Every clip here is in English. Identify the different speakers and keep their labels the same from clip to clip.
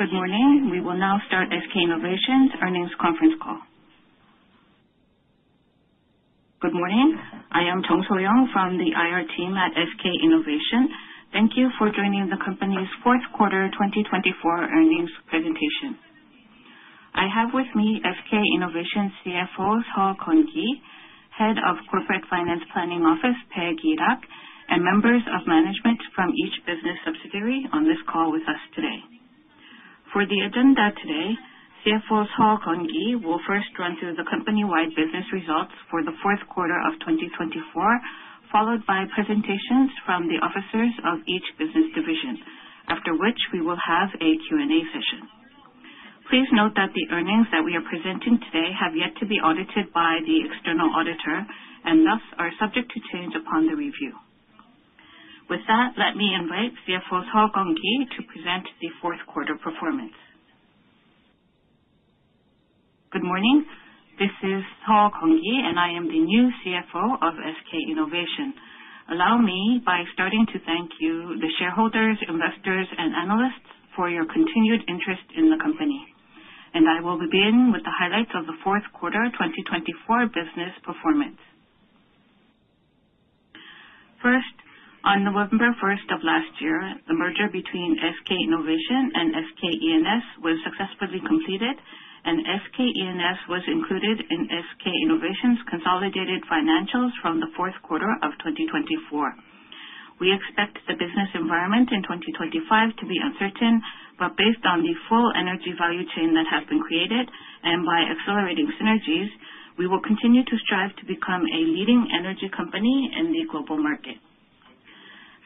Speaker 1: Good morning. We will now start SK Innovation's earnings conference call. Good morning. I am Jung So-young from the IR team at SK Innovation. Thank you for joining the company's fourth quarter 2024 earnings presentation. I have with me SK Innovation CFO Seo Geon-ki, Head of Corporate Finance Planning Office, Park Il-hak and members of management from each business subsidiary on this call with us today. For the agenda today, CFO Seo Geon-ki will first run through the company-wide business results for the fourth quarter of 2024, followed by presentations from the officers of each business division, after which we will have a Q&A session. Please note that the earnings that we are presenting today have yet to be audited by the external auditor and thus are subject to change upon the review. With that, let me invite CFO Seo Geon-ki to present the fourth quarter performance. Good morning.
Speaker 2: This is Seo Geon-ki, and I am the new CFO of SK Innovation. Allow me, by starting to thank you, the shareholders, investors, and analysts for your continued interest in the company. And I will begin with the highlights of the fourth quarter 2024 business performance. First, on November 1st of last year, the merger between SK Innovation and SK E&S was successfully completed, and SK E&S was included in SK Innovation's consolidated financials from the fourth quarter of 2024. We expect the business environment in 2025 to be uncertain, but based on the full energy value chain that has been created and by accelerating synergies, we will continue to strive to become a leading energy company in the global market.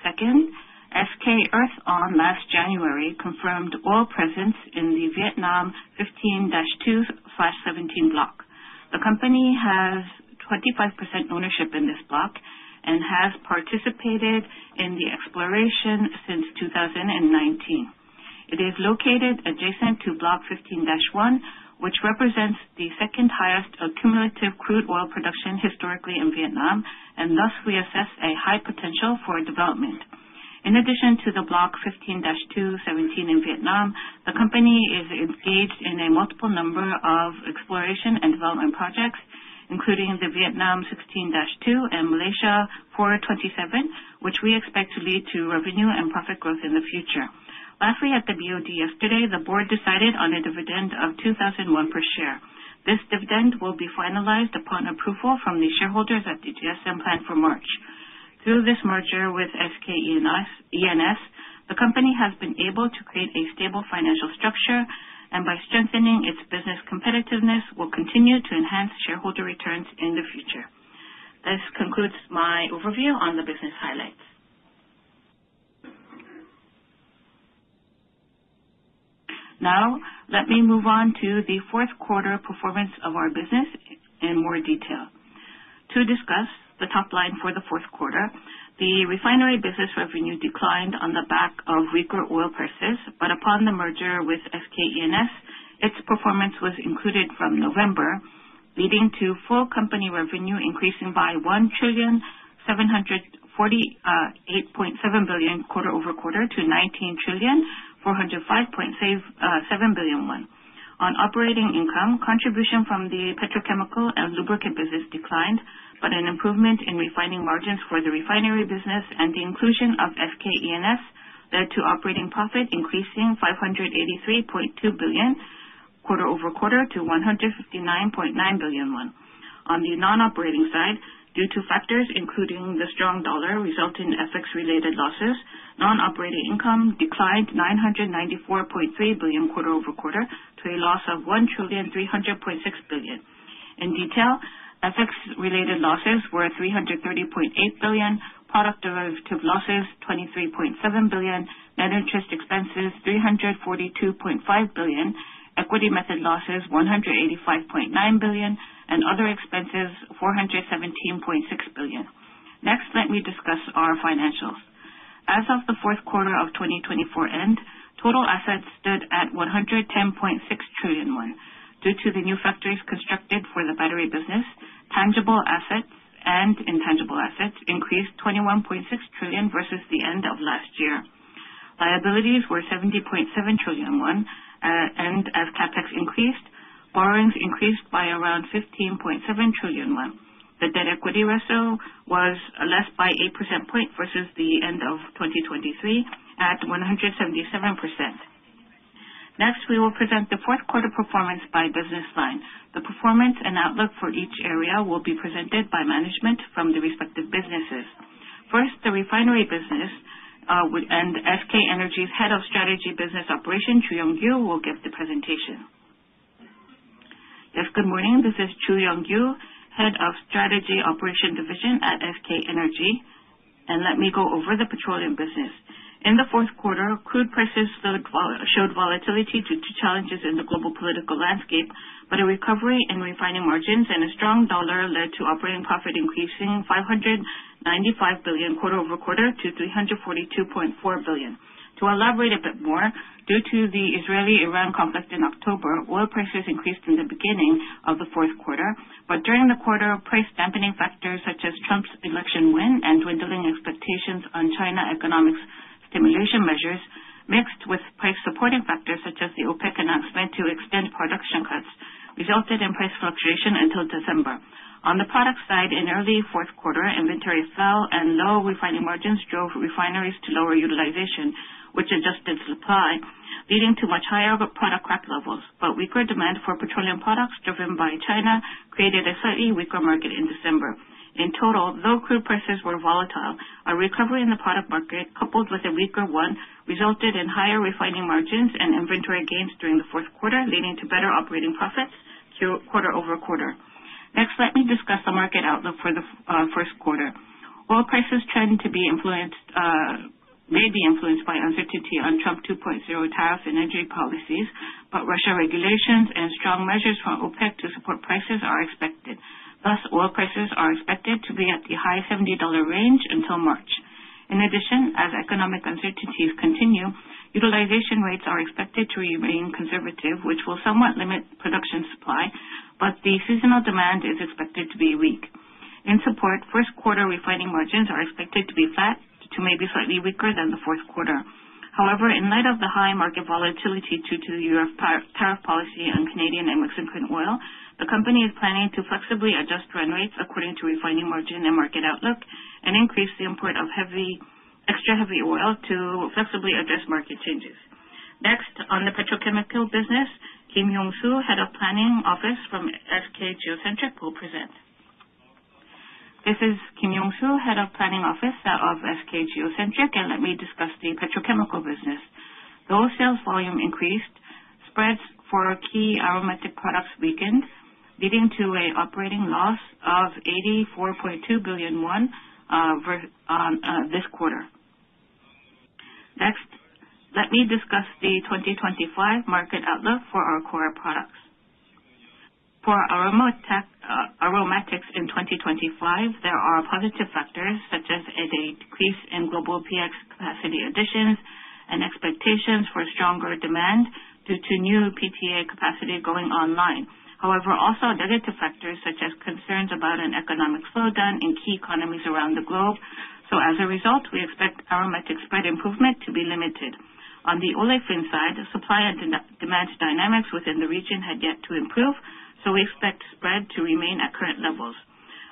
Speaker 2: Second, SK Earthon, last January, confirmed oil presence in the Vietnam Block 15-2/17. The company has 25% ownership in this block and has participated in the exploration since 2019. It is located adjacent to Block 15-1, which represents the second highest accumulative crude oil production historically in Vietnam, and thus we assess a high potential for development. In addition to the Block 15-2/17 in Vietnam, the company is engaged in a multiple number of exploration and development projects, including the Vietnam Block 16-2 and Malaysia Block 427, which we expect to lead to revenue and profit growth in the future. Lastly, at the BOD yesterday, the board decided on a dividend of ₩2,001 per share. This dividend will be finalized upon approval from the shareholders at the GSM planned for March. Through this merger with SK E&S, the company has been able to create a stable financial structure, and by strengthening its business competitiveness, will continue to enhance shareholder returns in the future. This concludes my overview on the business highlights. Now, let me move on to the fourth quarter performance of our business in more detail. To discuss the top line for the fourth quarter, the refinery business revenue declined on the back of cheaper oil purchases, but upon the merger with SK E&S, its performance was included from November, leading to full company revenue increasing by 1,748.7 billion quarter over quarter to 19,405.7 billion. On operating income, contribution from the petrochemical and lubricant business declined, but an improvement in refining margins for the refinery business and the inclusion of SK E&S led to operating profit increasing 583.2 billion quarter over quarter to 159.9 billion won. On the non-operating side, due to factors including the strong dollar resulting in FX-related losses, non-operating income declined 994.3 billion quarter over quarter to a loss of 1,300.6 billion. In detail, FX-related losses were 330.8 billion, product derivative losses 23.7 billion, net interest expenses 342.5 billion, equity method losses 185.9 billion, and other expenses 417.6 billion. Next, let me discuss our financials. As of the fourth quarter of 2024 end, total assets stood at 110.6 trillion won. Due to the new factories constructed for the battery business, tangible assets and intangible assets increased 21.6 trillion versus the end of last year. Liabilities were 70.7 trillion won, and as CapEx increased, borrowings increased by around 15.7 trillion won. The debt equity ratio was less by 8% versus the end of 2023 at 177%. Next, we will present the fourth quarter performance by business line. The performance and outlook for each area will be presented by management from the respective businesses. First, the refinery business and SK Energy's Head of Strategy Business Operation, Choo Yong-gyu, will give the presentation.
Speaker 1: Yes, good morning. This is Choo Yong-gyu, Head of Strategy Business Operation at SK Energy. Let me go over the petroleum business. In the fourth quarter, crude prices showed volatility due to challenges in the global political landscape, but a recovery in refining margins and a strong dollar led to operating profit increasing 595 billion quarter over quarter to 342.4 billion. To elaborate a bit more, due to the Israeli-Iran conflict in October, oil prices increased in the beginning of the fourth quarter, but during the quarter, price dampening factors such as Trump's election win and dwindling expectations on China economic stimulation measures, mixed with price supporting factors such as the OPEC announcement to extend production cuts, resulted in price fluctuation until December. On the product side, in early fourth quarter, inventory fell and low refining margins drove refineries to lower utilization, which adjusted supply, leading to much higher product crack levels, but weaker demand for petroleum products driven by China created a slightly weaker market in December. In total, though crude prices were volatile, a recovery in the product market coupled with a weaker one resulted in higher refining margins and inventory gains during the fourth quarter, leading to better operating profits quarter over quarter. Next, let me discuss the market outlook for the first quarter. Oil prices trend to be influenced by uncertainty on Trump 2.0 tariffs and energy policies, but Russia regulations and strong measures from OPEC to support prices are expected. Thus, oil prices are expected to be at the high $70 range until March. In addition, as economic uncertainties continue, utilization rates are expected to remain conservative, which will somewhat limit production supply, but the seasonal demand is expected to be weak. In support, first quarter refining margins are expected to be flat to maybe slightly weaker than the fourth quarter. However, in light of the high market volatility due to the U.S. tariff policy on Canadian and Mexican crude oil, the company is planning to flexibly adjust run rates according to refining margin and market outlook and increase the import of extra heavy oil to flexibly address market changes. Next, on the petrochemical business, Kim Yong-soo, Head of Planning Office from SK Geocentric, will present.
Speaker 3: This is Kim Yong-soo, Head of Planning Office of SK Geocentric, and let me discuss the petrochemical business. The oil sales volume increased, spreads for key aromatic products weakened, leading to an operating loss of 84.2 billion won this quarter. Next, let me discuss the 2025 market outlook for our core products. For aromatics in 2025, there are positive factors such as a decrease in global PX capacity additions and expectations for stronger demand due to new PTA capacity going online. However, also negative factors such as concerns about an economic slowdown in key economies around the globe. So, as a result, we expect aromatic spread improvement to be limited. On the olefin side, supply and demand dynamics within the region had yet to improve, so we expect spread to remain at current levels.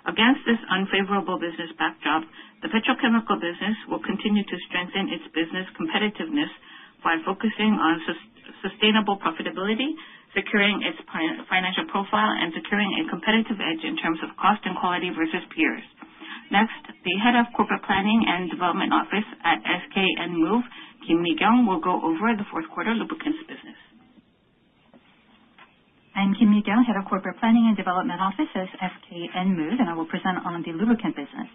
Speaker 3: Against this unfavorable business backdrop, the petrochemical business will continue to strengthen its business competitiveness by focusing on sustainable profitability, securing its financial profile, and securing a competitive edge in terms of cost and quality versus peers. Next, the head of corporate planning and development office at SK Enmove, Kim Mi-kyung, will go over the fourth quarter lubricants business.
Speaker 4: I'm Kim Mi-kyung, head of corporate planning and development office at SK Enmove, and I will present on the lubricant business.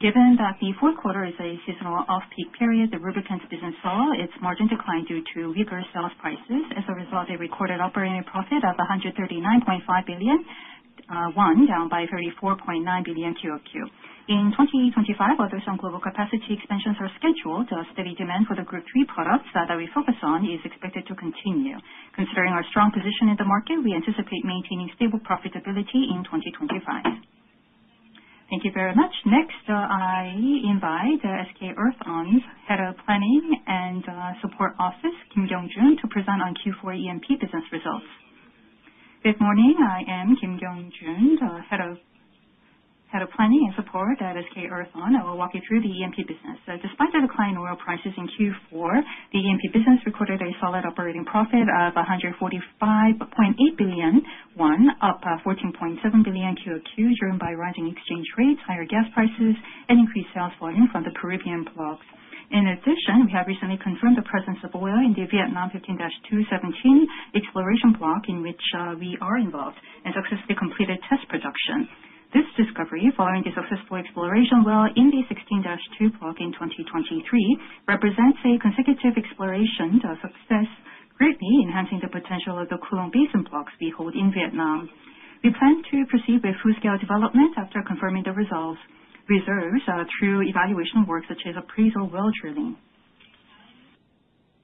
Speaker 4: Given that the fourth quarter is a seasonal off-peak period, the lubricants business saw its margin decline due to weaker sales prices. As a result, they recorded operating profit of 139.5 billion won, down by 34.9 billion QOQ. In 2025, although some global capacity expansions are scheduled, steady demand for the group three products that we focus on is expected to continue. Considering our strong position in the market, we anticipate maintaining stable profitability in 2025. Thank you very much. Next, I invite SK Earthon's Head of Planning and Support Office, Kim Gyeong-joon, to present on Q4 E&P business results.
Speaker 5: Good morning. I am Kim Gyeong-joon, head of planning and support at SK Earthon. I will walk you through the E&P business. Despite the decline in oil prices in Q4, the E&P business recorded a solid operating profit of 145.8 billion won, up 14.7 billion QOQ, driven by rising exchange rates, higher gas prices, and increased sales volume from the Peruvian blocks. In addition, we have recently confirmed the presence of oil in the Vietnam 15-2/17 exploration block in which we are involved and successfully completed test production. This discovery, following the successful exploration well in the 16-2 block in 2023, represents a consecutive exploration success, greatly enhancing the potential of the Cuu Long Basin blocks we hold in Vietnam. We plan to proceed with full-scale development after confirming the reserve results through evaluation work such as appraisal well drilling.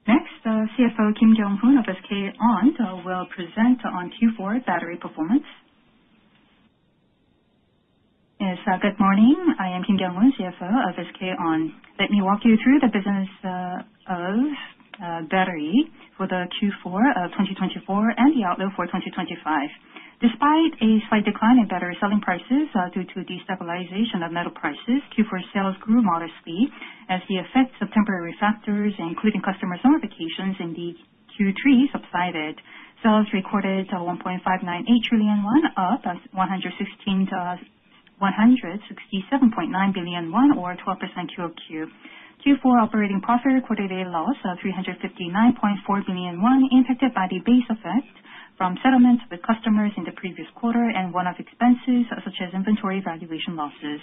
Speaker 5: Next, CFO Kim Kyung-hoon of SK On will present on Q4 battery performance. Good morning. I am Kim Kyung-hoon, CFO of SK On. Let me walk you through the battery business for the Q4 of 2024 and the outlook for 2025. Despite a slight decline in battery selling prices due to destabilization of metal prices, Q4 sales grew modestly as the effects of temporary factors, including customers' summer vacations in the Q3, subsided. Sales recorded 1.598 trillion won, up 167.9 billion won, or 12% QoQ. Q4 operating profit recorded a loss of 359.4 billion won, impacted by the base effect from settlements with customers in the previous quarter and one-off expenses such as inventory valuation losses.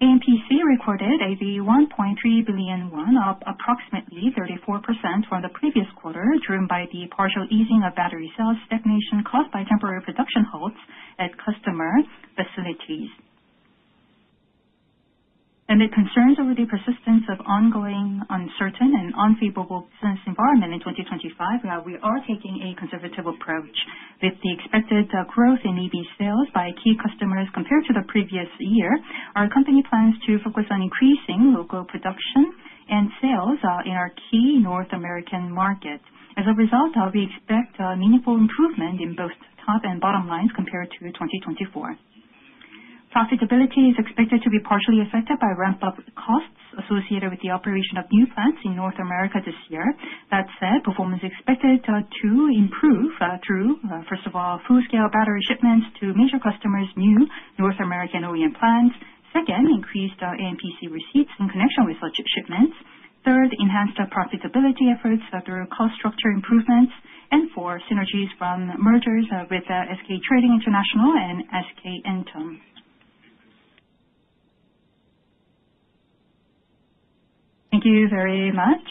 Speaker 5: AMPC recorded 1.3 billion won, up approximately 34% from the previous quarter, driven by the partial easing of battery sales stagnation caused by temporary production halts at customer facilities. Amid concerns over the persistence of ongoing uncertain and unfavorable business environment in 2025, we are taking a conservative approach. With the expected growth in EV sales by key customers compared to the previous year, our company plans to focus on increasing local production and sales in our key North American market. As a result, we expect meaningful improvement in both top and bottom lines compared to 2024. Profitability is expected to be partially affected by ramp-up costs associated with the operation of new plants in North America this year. That said, performance is expected to improve through, first of all, full-scale battery shipments to major customers' new North American OEM plants. Second, increased AMPC receipts in connection with such shipments. Third, enhanced profitability efforts through cost structure improvements. And fourth, synergies from mergers with SK Trading International and SK Enterm. Thank you very much.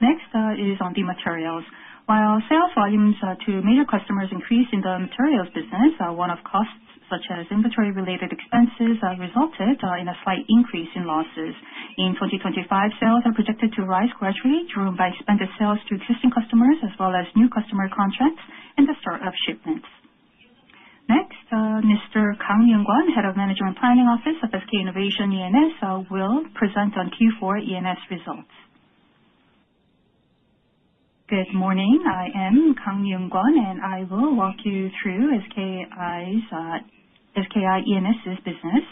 Speaker 5: Next is on the materials. While sales volumes to major customers increased in the materials business, one-off costs such as inventory-related expenses resulted in a slight increase in losses. In 2025, sales are projected to rise gradually, driven by expanded sales to existing customers as well as new customer contracts and the start of shipments. Next, Mr. Kang Myeong-gwon, Head of Management Planning Office of SK Innovation E&S, will present on Q4 E&S results. Good morning.
Speaker 6: I am Kang Myeong-gwon, and I will walk you through SK E&S's business.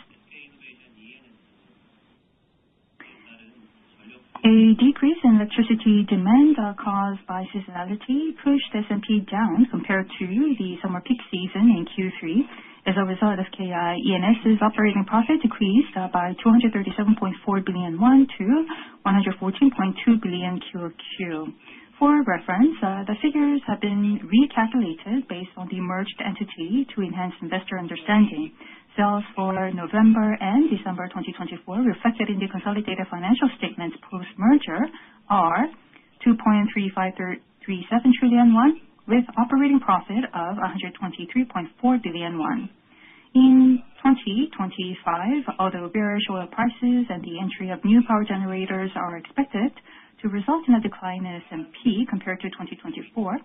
Speaker 6: A decrease in electricity demand caused by seasonality pushed SMP down compared to the summer peak season in Q3. As a result, SK E&S's operating profit decreased by 237.4 billion won to 114.2 billion QOQ. For reference, the figures have been recalculated based on the merged entity to enhance investor understanding. Sales for November and December 2024 reflected in the consolidated financial statements post-merger are 2.3537 trillion won, with operating profit of 123.4 billion won. In 2025, although bearish oil prices and the entry of new power generators are expected to result in a decline in SMP compared to 2024,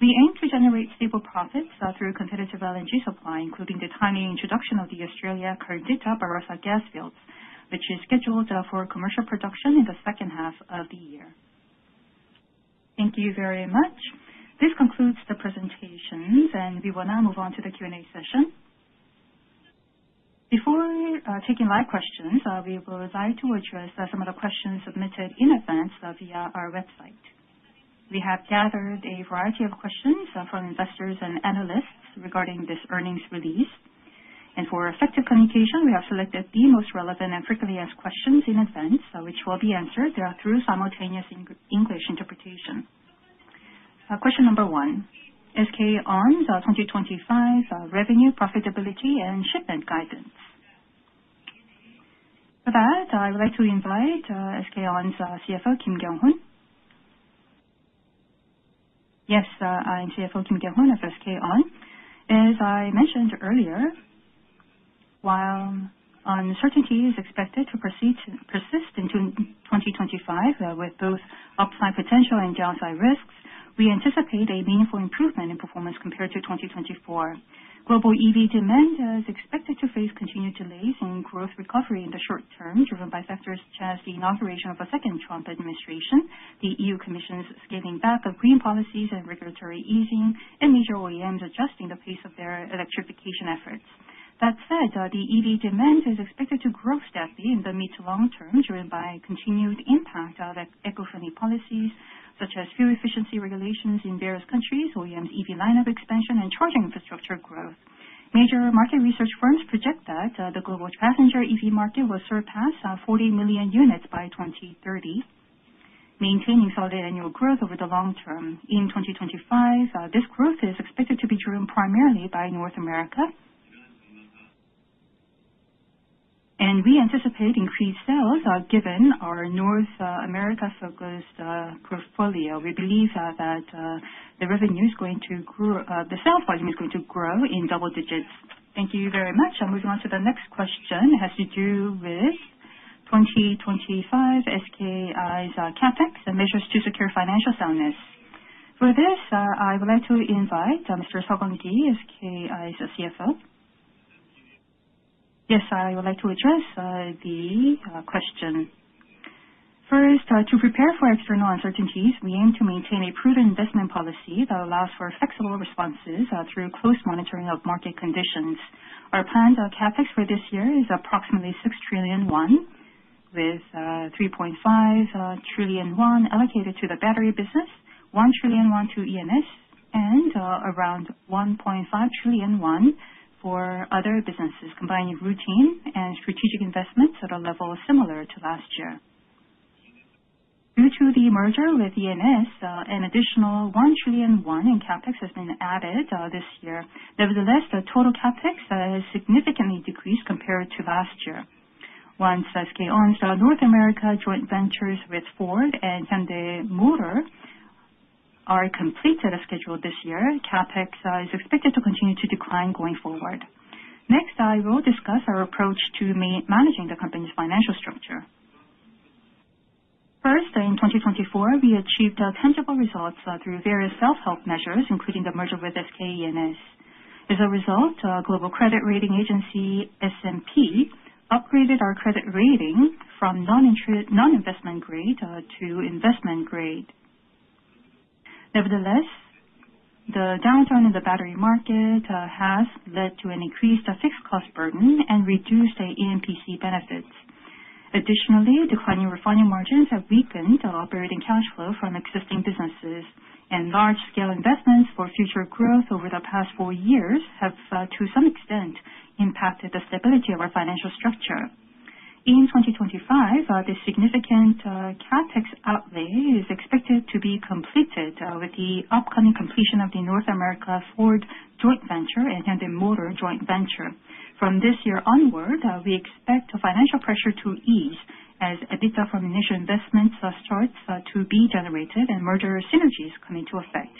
Speaker 6: we aim to generate stable profits through competitive LNG supply, including the timely introduction of the Australia Caldita-Barossa gas fields, which is scheduled for commercial production in the second half of the year. Thank you very much. This concludes the presentations, and we will now move on to the Q&A session. Before taking live questions, we would like to address some of the questions submitted in advance via our website. We have gathered a variety of questions from investors and analysts regarding this earnings release, and for effective communication, we have selected the most relevant and frequently asked questions in advance, which will be answered through simultaneous English interpretation. Question number one, SK On's 2025 revenue, profitability, and shipment guidance. For that, I would like to invite SK On's CFO, Kim Gyeong-hoon.
Speaker 7: Yes, I'm CFO Kim Gyeong-hoon of SK On. As I mentioned earlier, while uncertainty is expected to persist into 2025 with both upside potential and downside risks, we anticipate a meaningful improvement in performance compared to 2024. Global EV demand is expected to face continued delays in growth recovery in the short term, driven by factors such as the inauguration of a second Trump administration, the EU Commission's scaling back of green policies and regulatory easing, and major OEMs adjusting the pace of their electrification efforts. That said, the EV demand is expected to grow steadily in the mid to long term, driven by continued impact of eco-friendly policies such as fuel efficiency regulations in various countries, OEM's EV lineup expansion, and charging infrastructure growth. Major market research firms project that the global passenger EV market will surpass 40 million units by 2030, maintaining solid annual growth over the long term. In 2025, this growth is expected to be driven primarily by North America, and we anticipate increased sales given our North America-focused portfolio. We believe that the revenue is going to grow. The sales volume is going to grow in double digits. Thank you very much. I'm moving on to the next question that has to do with 2025 SK Innovation's CapEx and measures to secure financial soundness. For this, I would like to invite Mr. Seo Geon-ki, SK Innovation CFO. Yes, I would like to address the question. First, to prepare for external uncertainties, we aim to maintain a prudent investment policy that allows for flexible responses through close monitoring of market conditions. Our planned CapEx for this year is approximately 6 trillion won, with 3.5 trillion won allocated to the battery business, 1 trillion won to E&S, and around 1.5 trillion won for other businesses, combining routine and strategic investments at a level similar to last year. Due to the merger with E&S, an additional 1 trillion won in CapEx has been added this year. Nevertheless, the total CapEx has significantly decreased compared to last year. Once SK On's North America joint ventures with Ford and Hyundai Motor are completed as scheduled this year, CapEx is expected to continue to decline going forward. Next, I will discuss our approach to managing the company's financial structure. First, in 2024, we achieved tangible results through various self-help measures, including the merger with SK E&S. As a result, a global credit rating agency, S&P, upgraded our credit rating from non-investment grade to investment grade. Nevertheless, the downturn in the battery market has led to an increased fixed cost burden and reduced AMPC benefits. Additionally, declining refining margins have weakened operating cash flow from existing businesses, and large-scale investments for future growth over the past four years have, to some extent, impacted the stability of our financial structure. In 2025, this significant CapEx outlay is expected to be completed with the upcoming completion of the North America Ford joint venture and Hyundai Motor joint venture. From this year onward, we expect financial pressure to ease as EBITDA from initial investments starts to be generated and merger synergies coming into effect.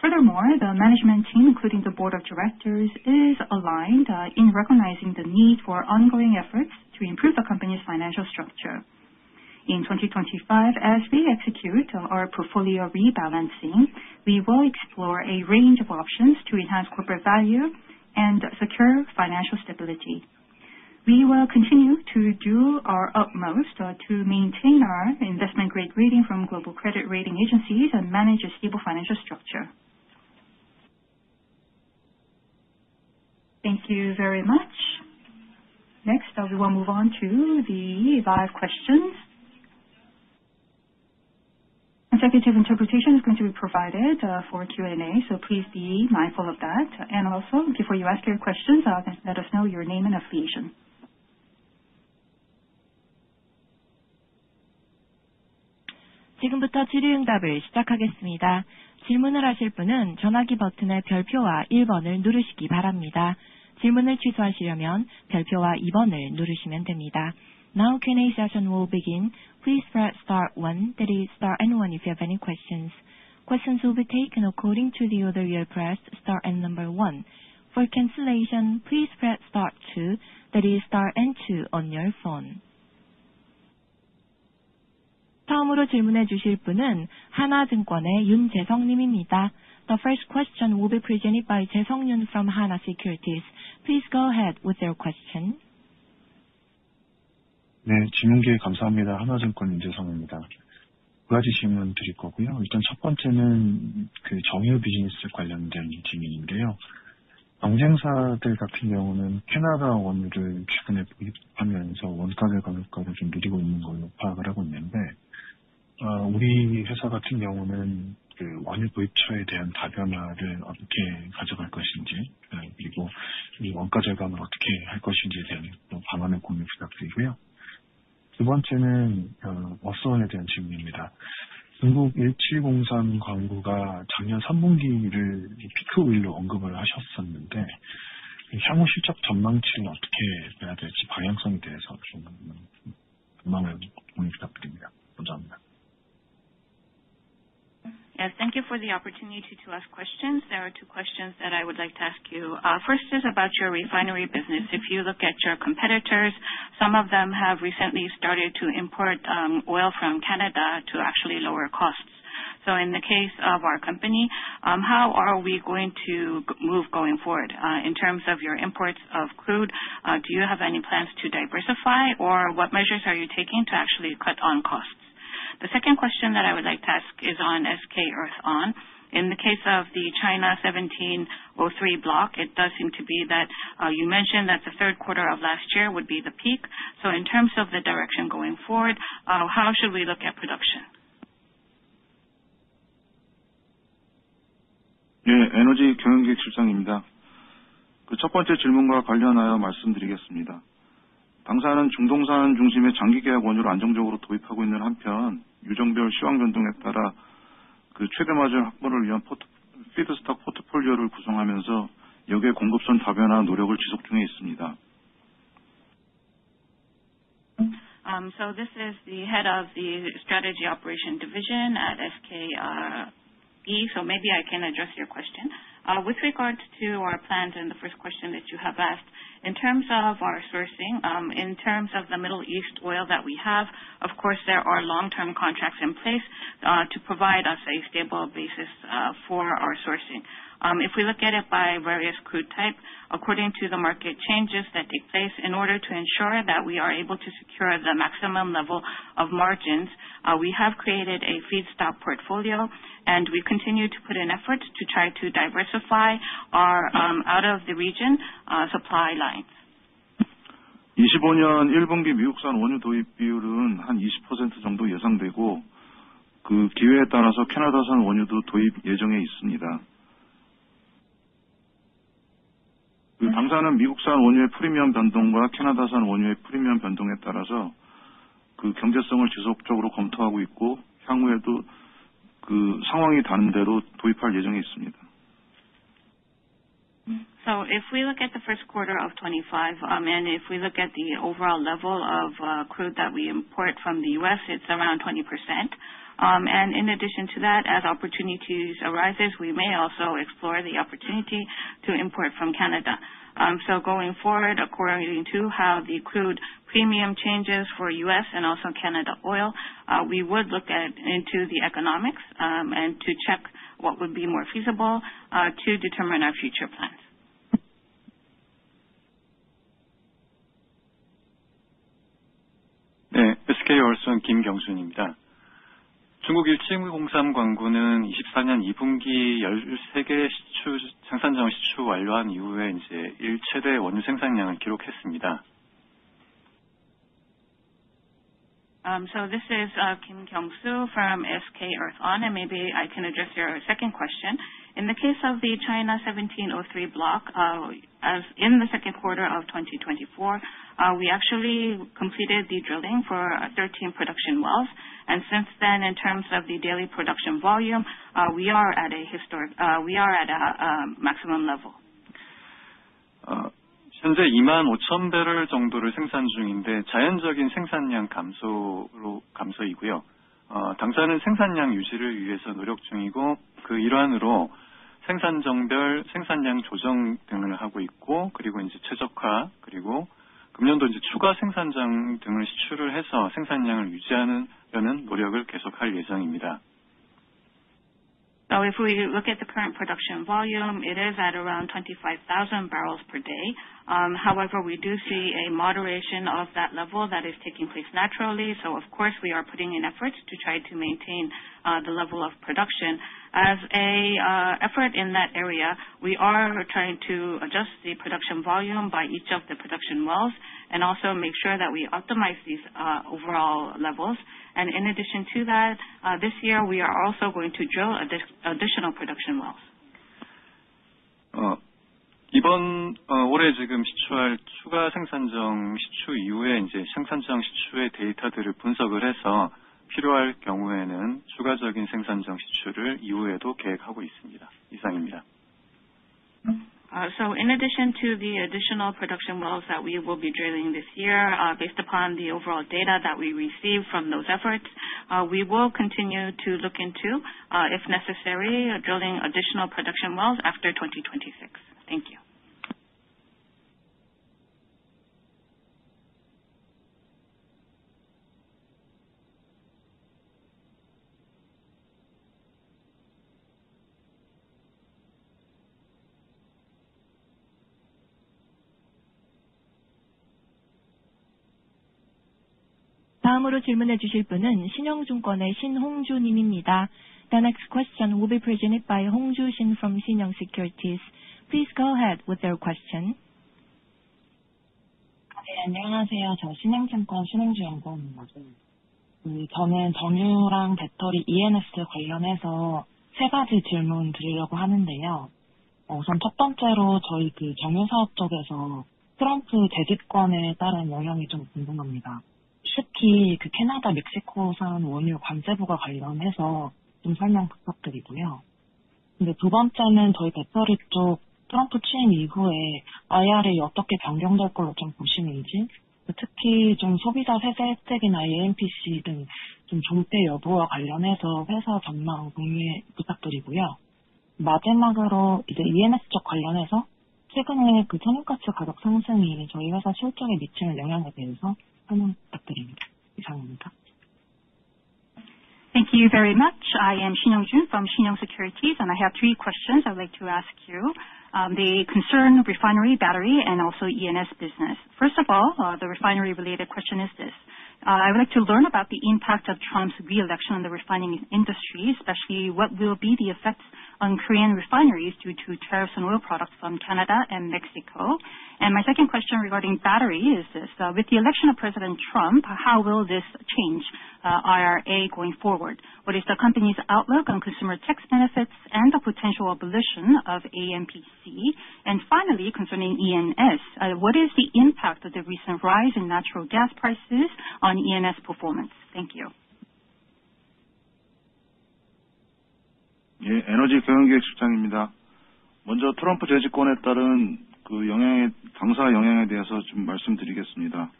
Speaker 7: Furthermore, the management team, including the board of directors, is aligned in recognizing the need for ongoing efforts to improve the company's financial structure. In 2025, as we execute our portfolio rebalancing, we will explore a range of options to enhance corporate value and secure financial stability. We will continue to do our utmost to maintain our investment grade rating from global credit rating agencies and manage a stable financial structure. Thank you very much. Next, we will move on to the live questions. Consecutive interpretation is going to be provided for Q&A, so please be mindful of that, and also, before you ask your questions, let us know your name and affiliation. 지금부터 질의응답을 시작하겠습니다. 질문을 하실 분은 전화기 버튼의 별표와 1번을 누르시기 바랍니다. 질문을 취소하시려면 별표와 2번을 누르시면 됩니다.
Speaker 8: Now Q&A session will begin. Please press Star 1, that is, Star and 1 if you have any questions. Questions will be taken according to the order you have pressed Star and 1. For cancellation, please press Star 2, that is, Star N2 on your phone. 다음으로 질문해 주실 분은 하나증권의 윤재성 님입니다. The first question will be presented by Jae-sung Yoon from Hana Securities. Please go ahead with your question.
Speaker 9: 네, 질문 기회 감사합니다. 하나증권 윤재성입니다. 두 가지 질문 드릴 거고요. 일단 첫 번째는 정유 비즈니스 관련된 질문인데요. 경쟁사들 같은 경우는 캐나다 원유를 최근에 보급하면서 원가 절감 효과를 좀 누리고 있는 걸로 파악을 하고 있는데, 우리 회사 같은 경우는 원유 보입처에 대한 다변화를 어떻게 가져갈 것인지, 그리고 이 원가 절감을 어떻게 할 것인지에 대한 방안을 공유 부탁드리고요. 두 번째는 워스원에 대한 질문입니다. 중국 1703 광구가 작년 3분기를 피크 오일로 언급을 하셨었는데, 향후 실적 전망치를 어떻게 봐야 될지 방향성에 대해서 좀 전망을 공유 부탁드립니다. 감사합니다.
Speaker 5: Thank you for the opportunity to ask questions. There are two questions that I would like to ask you. First is about your refinery business. If you look at your competitors, some of them have recently started to import oil from Canada to actually lower costs. So in the case of our company, how are we going to move going forward in terms of your imports of crude? Do you have any plans to diversify, or what measures are you taking to actually cut on costs? The second question that I would like to ask is on SK Earthon. In the case of the China Block 17/03, it does seem to be that you mentioned that the third quarter of last year would be the peak. So in terms of the direction going forward, how should we look at production?
Speaker 9: 네, 에너지 경영기획실장입니다. 첫 번째 질문과 관련하여 말씀드리겠습니다. 당사는 중동산 중심의 장기 계약 원유를 안정적으로 도입하고 있는 한편, 유종별 시황 변동에 따라 최대 마진 확보를 위한 피드스톡 포트폴리오를 구성하면서 해외 공급선 다변화 노력을 지속 중에 있습니다.
Speaker 5: So this is the head of the Strategy Operation Division at SK Earthon. So maybe I can address your question. With regards to our plan and the first question that you have asked, in terms of our sourcing, in terms of the Middle East oil that we have, of course, there are long-term contracts in place to provide us a stable basis for our sourcing. If we look at it by various crude types, according to the market changes that take place, in order to ensure that we are able to secure the maximum level of margins, we have created a feedstock portfolio, and we continue to put in efforts to try to diversify our out-of-the-region supply lines.
Speaker 9: 2025년 1분기 미국산 원유 도입 비율은 한 20% 정도 예상되고, 기회에 따라서 캐나다산 원유도 도입 예정에 있습니다. 당사는 미국산 원유의 프리미엄 변동과 캐나다산 원유의 프리미엄 변동에 따라서 경제성을 지속적으로 검토하고 있고, 향후에도 상황이 다른 대로 도입할 예정에 있습니다.
Speaker 5: So if we look at the first quarter of 2025, and if we look at the overall level of crude that we import from the U.S., it's around 20%. And in addition to that, as opportunities arise, we may also explore the opportunity to import from Canada. So going forward, according to how the crude premium changes for U.S. and also Canada oil, we would look into the economics and to check what would be more feasible to determine our future plans.
Speaker 9: 네, SK Earthon 김경준입니다. 중국 1703 광구는 2024년 2분기 13개 생산장을 시추 완료한 이후에 이제 최대 원유 생산량을 기록했습니다.
Speaker 5: This is Kim Gyeong-joon from SK Earthon, and maybe I can address your second question. In the case of the China Block 17/03, as in the second quarter of 2024, we actually completed the drilling for 13 production wells, and since then, in terms of the daily production volume, we are at a maximum level.
Speaker 9: 현재 25,000배럴 정도를 생산 중인데, 자연적인 생산량 감소이고요. 당사는 생산량 유지를 위해서 노력 중이고, 그 일환으로 생산정별 생산량 조정 등을 하고 있고, 그리고 이제 최적화, 그리고 금년도 이제 추가 생산장 등을 시추를 해서 생산량을 유지하려는 노력을 계속할 예정입니다.
Speaker 5: So if we look at the current production volume, it is at around 25,000 barrels per day. However, we do see a moderation of that level that is taking place naturally. So of course, we are putting in efforts to try to maintain the level of production. As an effort in that area, we are trying to adjust the production volume by each of the production wells and also make sure that we optimize these overall levels. And in addition to that, this year we are also going to drill additional production wells.
Speaker 9: 이번 올해 지금 시추할 추가 생산장 시추 이후에 이제 생산장 시추의 데이터들을 분석을 해서 필요할 경우에는 추가적인 생산장 시추를 이후에도 계획하고 있습니다. 이상입니다.
Speaker 5: So in addition to the additional production wells that we will be drilling this year, based upon the overall data that we receive from those efforts, we will continue to look into, if necessary, drilling additional production wells after 2026. Thank you.
Speaker 8: 다음으로 질문해 주실 분은 신영증권의 신홍주 님입니다. The next question will be presented by Shin Hong-joo from Shinyoung Securities. Please go ahead with your question.
Speaker 10: 네, 안녕하세요. 저 신영증권 신홍주 연구원입니다. 저는 정유랑 배터리 E&S 관련해서 세 가지 질문 드리려고 하는데요. 우선 첫 번째로 저희 정유 사업 쪽에서 트럼프 재집권에 따른 영향이 좀 궁금합니다. 특히 캐나다, 멕시코산 원유 관세 부과 관련해서 좀 설명 부탁드리고요. 근데 두 번째는 저희 배터리 쪽 트럼프 취임 이후에 IRA 어떻게 변경될 걸로 좀 보시는지, 특히 좀 소비자 세제 혜택이나 AMPC 등좀 존폐 여부와 관련해서 회사 전망 공유 부탁드리고요. 마지막으로 이제 E&S 쪽 관련해서 최근에 천연가스 가격 상승이 저희 회사 실적에 미치는 영향에 대해서 설명 부탁드립니다. 이상입니다. Thank you very much. I am Shin Hong-joo from Shinyoung Securities, and I have three questions I'd like to ask you. They concern refinery, battery, and also E&S business. First of all, the refinery-related question is this: I would like to learn about the impact of Trump's reelection on the refining industry, especially what will be the effects on Korean refineries due to tariffs on oil products from Canada and Mexico. And my second question regarding battery is this: With the election of President Trump, how will this change IRA going forward? What is the company's outlook on consumer tax benefits and the potential abolition of AMPC? And finally, concerning E&S, what is the impact of the recent rise in natural gas prices on E&S performance? Thank you.
Speaker 9: 예, 에너지 경영기획실장입니다. 먼저 트럼프 재집권에 따른 그 영향의 당사 영향에 대해서 좀 말씀드리겠습니다.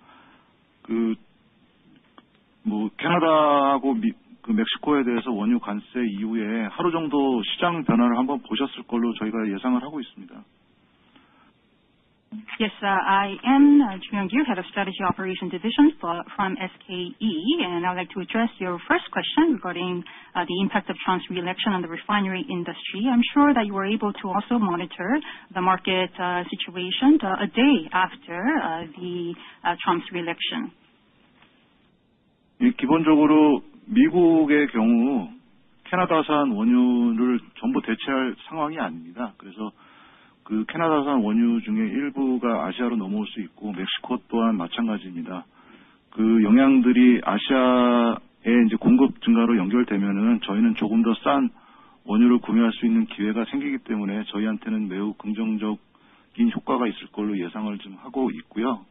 Speaker 9: 그뭐 캐나다하고 멕시코에 대해서 원유 관세 이후에 하루 정도 시장 변화를 한번 보셨을 걸로 저희가 예상을 하고 있습니다.
Speaker 1: Yes, I am Choo Yong-gyu, Head of Strategy Operation Division from SK Earthon, and I'd like to address your first question regarding the impact of Trump's reelection on the refinery industry. I'm sure that you were able to also monitor the market situation a day after Trump's reelection.
Speaker 9: 기본적으로 미국의 경우 캐나다산 원유를 전부 대체할 상황이 아닙니다. 그래서 그 캐나다산 원유 중에 일부가 아시아로 넘어올 수 있고, 멕시코 또한 마찬가지입니다. 그 영향들이 아시아에 이제 공급 증가로 연결되면 저희는 조금 더싼 원유를 구매할 수 있는 기회가 생기기 때문에 저희한테는 매우 긍정적인 효과가 있을 걸로 예상을 좀 하고 있고요.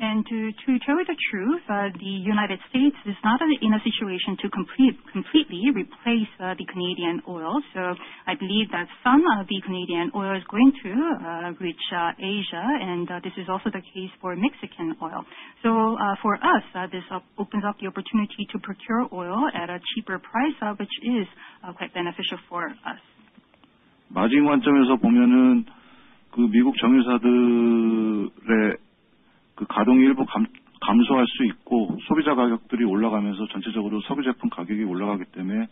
Speaker 1: And to tell you the truth, the United States is not in a situation to completely replace the Canadian oil. So I believe that some of the Canadian oil is going to reach Asia, and this is also the case for Mexican oil. So for us, this opens up the opportunity to procure oil at a cheaper price, which is quite beneficial for us.r us, this opens up the opportunity to procure oil at a cheaper price, which is quite beneficial for us.
Speaker 9: 마진 관점에서 보면 그 미국 정유사들의 가동이 일부 감소할 수 있고, 소비자 가격들이 올라가면서 전체적으로 석유 제품 가격이 올라가기 때문에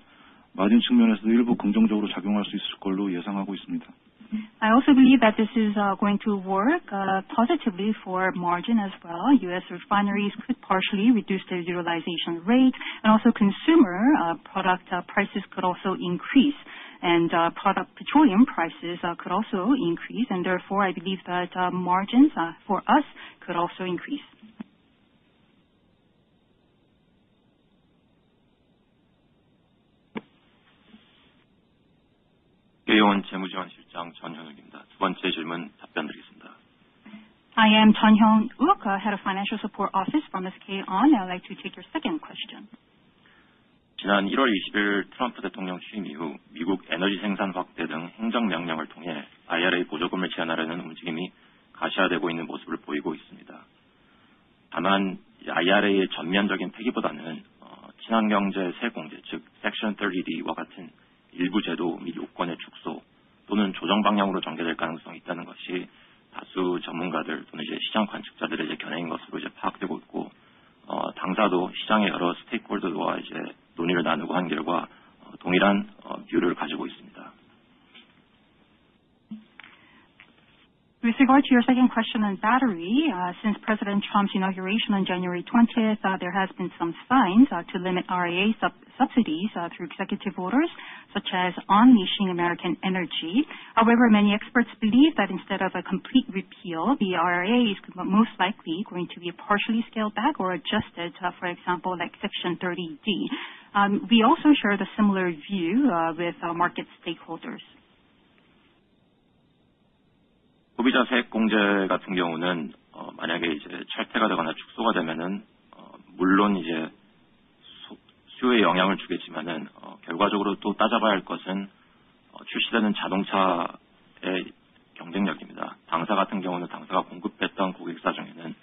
Speaker 9: 마진 측면에서도 일부 긍정적으로 작용할 수 있을 걸로 예상하고 있습니다.
Speaker 1: I also believe that this is going to work positively for margin as well. US refineries could partially reduce their utilization rate, and also consumer product prices could also increase, and product petroleum prices could also increase. And therefore, I believe that margins for us could also increase.
Speaker 9: K-1 재무지원실장 전현욱입니다. 두 번째 질문 답변 드리겠습니다.
Speaker 11: I am Jeon Hyun-wook, Head of Financial Support Office from SK On. I'd like to take your second question.
Speaker 9: 지난 1월 20일 트럼프 대통령 취임 이후 미국 에너지 생산 확대 등 행정 명령을 통해 IRA 보조금을 제한하려는 움직임이 가시화되고 있는 모습을 보이고 있습니다. 다만 IRA의 전면적인 폐기보다는 친환경제 세 공제, 즉 Section 30D와 같은 일부 제도 및 요건의 축소 또는 조정 방향으로 전개될 가능성이 있다는 것이 다수 전문가들 또는 시장 관측자들의 견해인 것으로 파악되고 있고, 당사도 시장의 여러 스테이크홀더와 논의를 나누고 한 결과 동일한 뷰를 가지고 있습니다.
Speaker 11: With regard to your second question on battery, since President Trump's inauguration on January 20th, there has been some signs to limit IRA subsidies through executive orders, such as on leasing American energy. However, many experts believe that instead of a complete repeal, the IRA is most likely going to be partially scaled back or adjusted, for example, like Section 30D. We also share the similar view with market stakeholders.
Speaker 9: 소비자 세액 공제 같은 경우는 만약에 철폐가 되거나 축소가 되면 물론 수요에 영향을 주겠지만, 결과적으로 또 따져봐야 할 것은 출시되는 자동차의 경쟁력입니다. 당사 같은 경우는 당사가 공급했던 고객사 중에는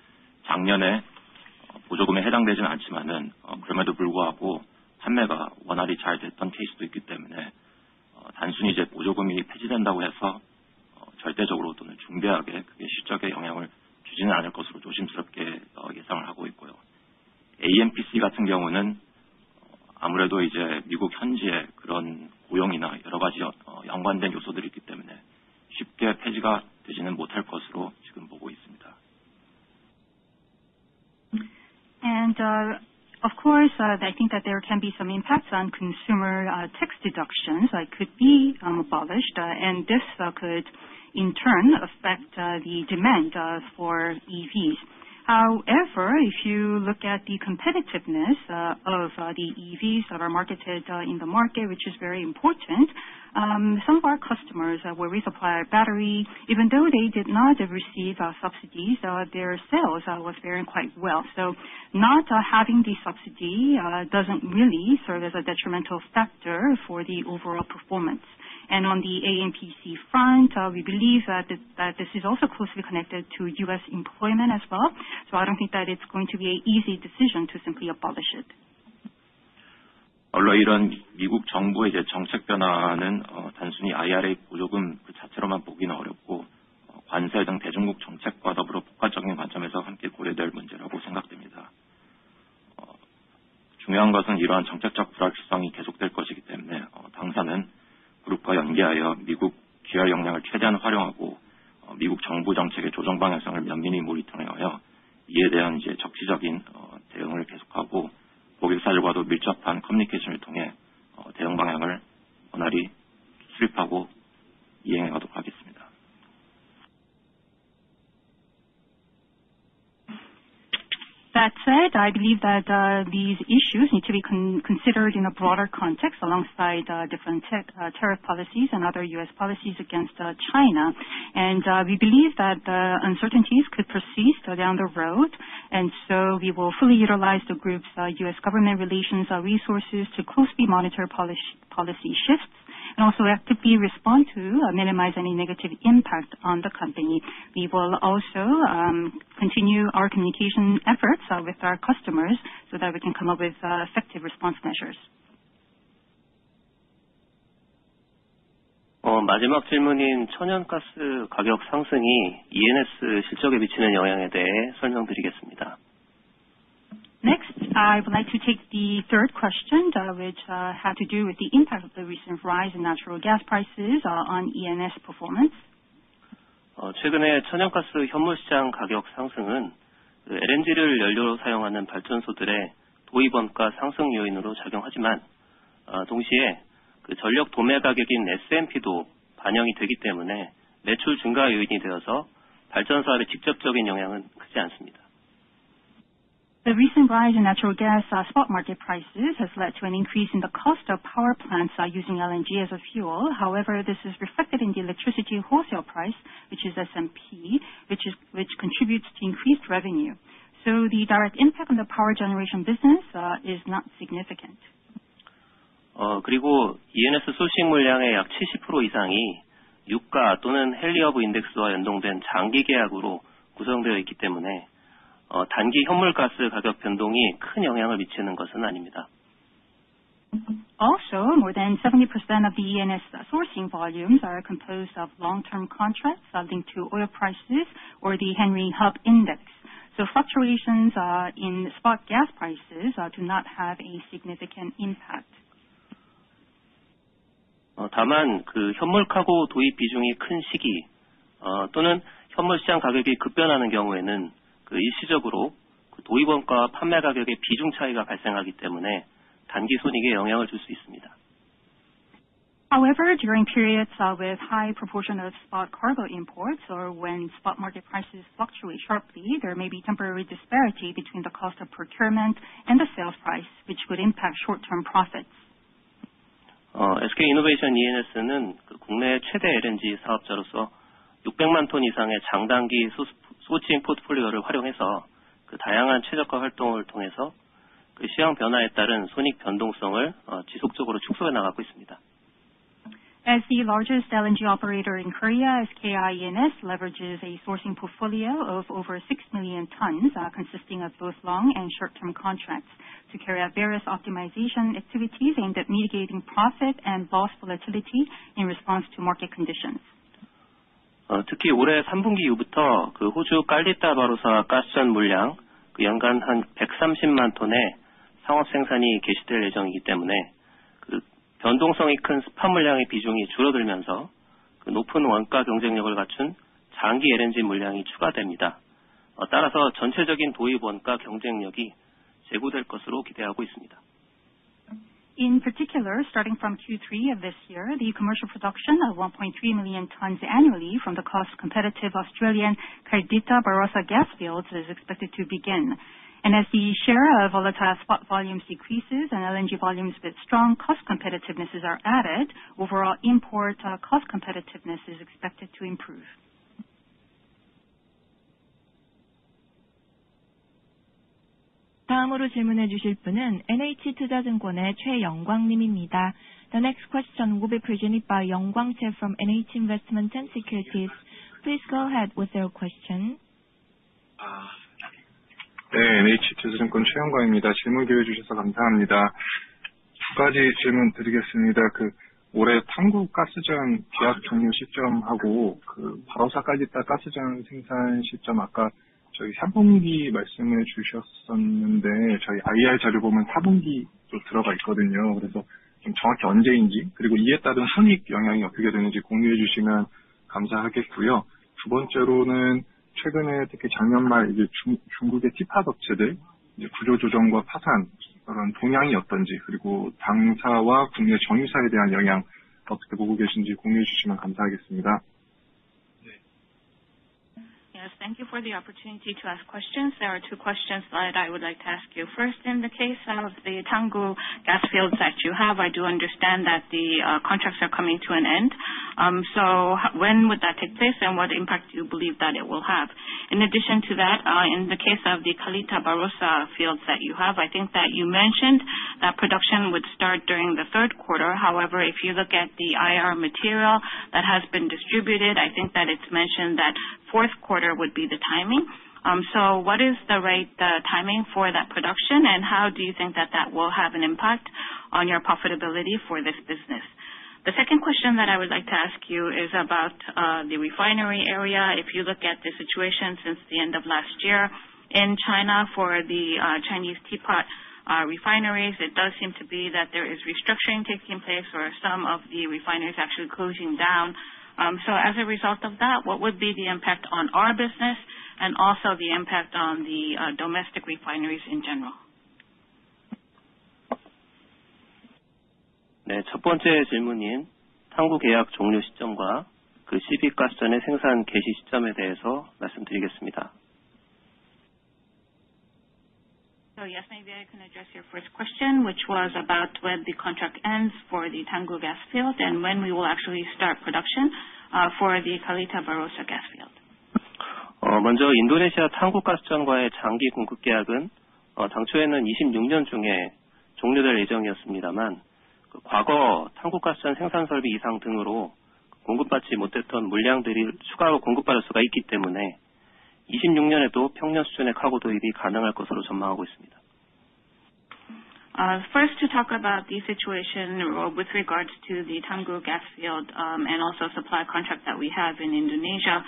Speaker 9: 작년에 보조금에 해당되지는 않지만, 그럼에도 불구하고 판매가 원활히 잘 됐던 케이스도 있기 때문에 단순히 이제 보조금이 폐지된다고 해서 절대적으로 또는 중대하게 그게 실적에 영향을 주지는 않을 것으로 조심스럽게 예상을 하고 있고요. AMPC 같은 경우는 아무래도 이제 미국 현지의 그런 고용이나 여러 가지 연관된 요소들이 있기 때문에 쉽게 폐지가 되지는 못할 것으로 지금 보고 있습니다.
Speaker 11: And of course, I think that there can be some impacts on consumer tax deductions. It could be abolished, and this could in turn affect the demand for EVs. However, if you look at the competitiveness of the EVs that are marketed in the market, which is very important, some of our customers will resupply our battery. Even though they did not receive subsidies, their sales were very quite well. So not having the subsidy doesn't really serve as a detrimental factor for the overall performance. And on the AMPC front, we believe that this is also closely connected to U.S. employment as well. So I don't think that it's going to be an easy decision to simply abolish it.
Speaker 9: 아울러 이런 미국 정부의 정책 변화는 단순히 IRA 보조금 그 자체로만 보기는 어렵고, 관세 등 대중국 정책과 더불어 복합적인 관점에서 함께 고려될 문제라고 생각됩니다. 중요한 것은 이러한 정책적 불확실성이 계속될 것이기 때문에 당사는 그룹과 연계하여 미국 GR 역량을 최대한 활용하고 미국 정부 정책의 조정 방향성을 면밀히 모니터링하여 이에 대한 이제 적시적인 대응을 계속하고 고객사들과도 밀접한 커뮤니케이션을 통해 대응 방향을 원활히 수립하고 이행해 가도록 하겠습니다.
Speaker 11: That said, I believe that these issues need to be considered in a broader context alongside different tariff policies and other U.S. policies against China. We believe that the uncertainties could persist down the road, and so we will fully utilize the group's US government relations resources to closely monitor policy shifts and also actively respond to minimize any negative impact on the company. We will also continue our communication efforts with our customers so that we can come up with effective response measures.
Speaker 9: 마지막 질문인 천연가스 가격 상승이 E&S 실적에 미치는 영향에 대해 설명드리겠습니다.
Speaker 11: Next, I would like to take the third question, which had to do with the impact of the recent rise in natural gas prices on E&S performance.
Speaker 9: 최근에 천연가스 현물 시장 가격 상승은 LNG를 연료로 사용하는 발전소들의 도입 원가 상승 요인으로 작용하지만, 동시에 전력 도매 가격인 SMP도 반영이 되기 때문에 매출 증가 요인이 되어서 발전사업에 직접적인 영향은 크지 않습니다.
Speaker 11: The recent rise in natural gas spot market prices has led to an increase in the cost of power plants using LNG as a fuel. However, this is reflected in the electricity wholesale price, which is SMP, which contributes to increased revenue. So the direct impact on the power generation business is not significant.
Speaker 9: 그리고 E&S 소싱 물량의 약 70% 이상이 유가 또는 헨리 허브 인덱스와 연동된 장기 계약으로 구성되어 있기 때문에 단기 현물 가스 가격 변동이 큰 영향을 미치는 것은 아닙니다.
Speaker 11: Also, more than 70% of the E&S sourcing volumes are composed of long-term contracts linked to oil prices or the Henry Hub Index. So fluctuations in spot gas prices do not have a significant impact.
Speaker 9: 다만 그 현물 카고 도입 비중이 큰 시기 또는 현물 시장 가격이 급변하는 경우에는 일시적으로 도입 원가와 판매 가격의 비중 차이가 발생하기 때문에 단기 손익에 영향을 줄수 있습니다.
Speaker 11: However, during periods with high proportion of spot cargo imports or when spot market prices fluctuate sharply, there may be temporary disparity between the cost of procurement and the sales price, which could impact short-term profits. SK E&S
Speaker 9: 는 국내 최대 LNG 사업자로서 600만 톤 이상의 장단기 소싱 포트폴리오를 활용해서 다양한 최적화 활동을 통해서 시황 변화에 따른 손익 변동성을 지속적으로 축소해 나가고 있습니다.
Speaker 11: As the largest LNG operator in Korea, SK E&S leverages a sourcing portfolio of over six million tons, consisting of both long and short-term contracts, to carry out various optimization activities aimed at mitigating profit and loss volatility in response to market conditions.
Speaker 9: 특히 올해 3분기 이후부터 호주 칼디타-바로사 가스전 물량 연간 한 130만 톤의 상업 생산이 개시될 예정이기 때문에 변동성이 큰 스팟 물량의 비중이 줄어들면서 높은 원가 경쟁력을 갖춘 장기 LNG 물량이 추가됩니다. 따라서 전체적인 도입 원가 경쟁력이 제고될 것으로 기대하고 있습니다.
Speaker 11: In particular, starting from Q3 of this year, the commercial production of 1.3 million tons annually from the cost-competitive Australian Caldita-Barossa gas fields is expected to begin. And as the share of volatile spot volumes decreases and LNG volumes with strong cost competitiveness are added, overall import cost competitiveness is expected to improve.
Speaker 8: 다음으로 질문해 주실 분은 NH 투자증권의 최영광 님입니다. The next question will be presented by Choi Young-kwang from NH Investment & Securities. Please go ahead with your question.
Speaker 12: 네, NH 투자증권 최영광입니다. 질문 기회 주셔서 감사합니다. 두 가지 질문 드리겠습니다. 올해 한국 가스전 계약 종료 시점하고 칼디타-바로사 가스전 생산 시점, 아까 저희 3분기 말씀해 주셨었는데 저희 IR 자료 보면 4분기도 들어가 있거든요. 그래서 좀 정확히 언제인지, 그리고 이에 따른 손익 영향이 어떻게 되는지 공유해 주시면 감사하겠고요. 두 번째로는 최근에 특히 작년 말 이제 중국의 teapot 업체들 구조 조정과 파산, 그런 동향이 어떤지, 그리고 당사와 국내 정유사에 대한 영향 어떻게 보고 계신지 공유해 주시면 감사하겠습니다.
Speaker 1: Yes, thank you for the opportunity to ask questions. There are two questions that I would like to ask you. First, in the case of the Tangguh gas fields that you have, I do understand that the contracts are coming to an end. So when would that take place, and what impact do you believe that it will have? In addition to that, in the case of the Caldita-Barossa fields that you have, I think that you mentioned that production would start during the third quarter. However, if you look at the IR material that has been distributed, I think that it's mentioned that fourth quarter would be the timing. So what is the right timing for that production, and how do you think that that will have an impact on your profitability for this business? The second question that I would like to ask you is about the refinery area. If you look at the situation since the end of last year in China for the Chinese teapot refineries, it does seem to be that there is restructuring taking place or some of the refineries actually closing down. So as a result of that, what would be the impact on our business and also the impact on the domestic refineries in general?
Speaker 12: 네, 첫 번째 질문인 탕구 계약 종료 시점과 그 시빅 가스전의 생산 개시 시점에 대해서 말씀드리겠습니다.
Speaker 1: So yes, maybe I can address your first question, which was about when the contract ends for the Tangguh gas field and when we will actually start production for the Caldita-Barossa gas field.
Speaker 12: 먼저 인도네시아 탕구 가스전과의 장기 공급 계약은 당초에는 26년 중에 종료될 예정이었습니다만, 과거 탕구 가스전 생산 설비 이상 등으로 공급받지 못했던 물량들이 추가로 공급받을 수가 있기 때문에 26년에도 평년 수준의 카고 도입이 가능할 것으로 전망하고 있습니다. First, to talk about the situation with regards to the Tangguh gas field and also supply contract that we have in Indonesia.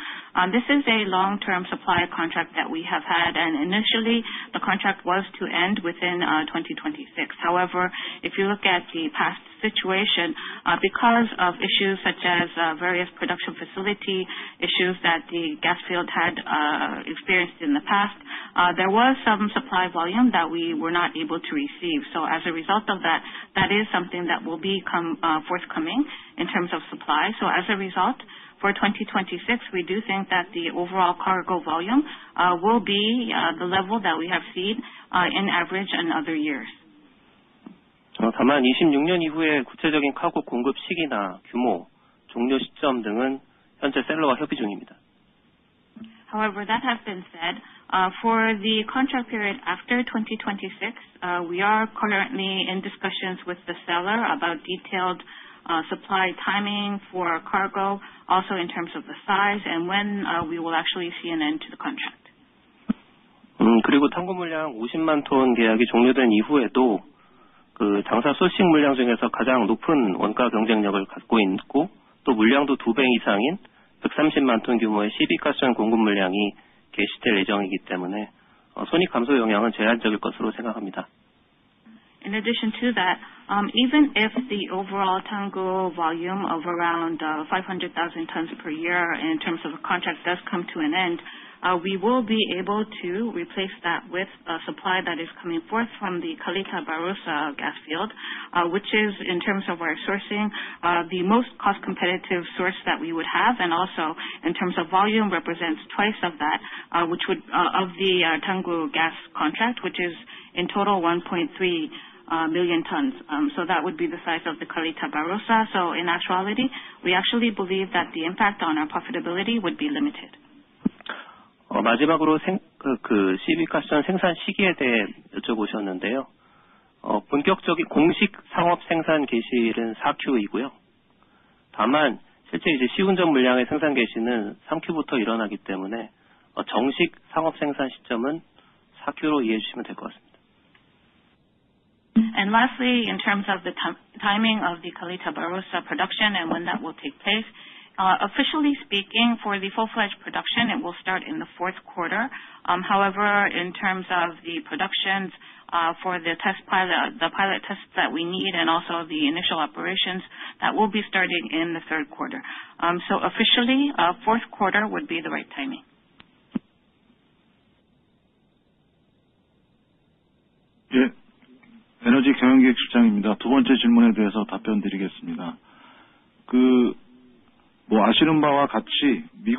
Speaker 12: This is a long-term supply contract that we have had, and initially the contract was to end within 2026. However, if you look at the past situation, because of issues such as various production facility issues that the gas field had experienced in the past, there was some supply volume that we were not able to receive. So as a result of that, that is something that will be forthcoming in terms of supply. So as a result, for 2026, we do think that the overall cargo volume will be the level that we have seen on average in other years. 다만 26년 이후의 구체적인 카고 공급 시기나 규모, 종료 시점 등은 현재 셀러와 협의 중입니다.
Speaker 1: However, that has been said. For the contract period after 2026, we are currently in discussions with the seller about detailed supply timing for cargo, also in terms of the size and when we will actually see an end to the contract.
Speaker 12: 그리고 탕구 물량 50만 톤 계약이 종료된 이후에도 당사 소싱 물량 중에서 가장 높은 원가 경쟁력을 갖고 있고, 또 물량도 두배 이상인 130만 톤 규모의 시빅 가스전 공급 물량이 개시될 예정이기 때문에 손익 감소 영향은 제한적일 것으로 생각합니다.
Speaker 1: In addition to that, even if the overall Tangguh volume of around 500,000 tons per year in terms of a contract does come to an end, we will be able to replace that with supply that is coming forth from the Caldita-Barossa gas field, which is, in terms of our sourcing, the most cost competitive source that we would have. And also, in terms of volume, it represents twice that of the Tangguh gas contract, which is in total 1.3 million tons. So that would be the size of the Caldita-Barossa. So in actuality, we actually believe that the impact on our profitability would be limited. 마지막으로 칼디타-바로사 가스전 생산 시기에 대해 여쭤보셨는데요. 본격적인 공식 상업 생산 개시일은 4Q이고요. 다만 실제 시운전 물량의 생산 개시는 3Q부터 일어나기 때문에 정식 상업 생산 시점은 4Q로 이해해 주시면 될것 같습니다. And lastly, in terms of the timing of the Caldita-Barossa production and when that will take place, officially speaking, for the full-fledged production, it will start in the fourth quarter. However, in terms of the productions for the pilot tests that we need and also the initial operations, that will be starting in the third quarter. So officially, fourth quarter would be the right timing.
Speaker 12: 네, 에너지 경영 계획실장입니다. 두 번째 질문에 대해서 답변드리겠습니다. 아시는 바와 같이 미국 제재 이전에도 중국 티팟 리파이너리에 대한 구조 조정은 지속적으로 이루어져 왔습니다.
Speaker 1: Yes, this is the Head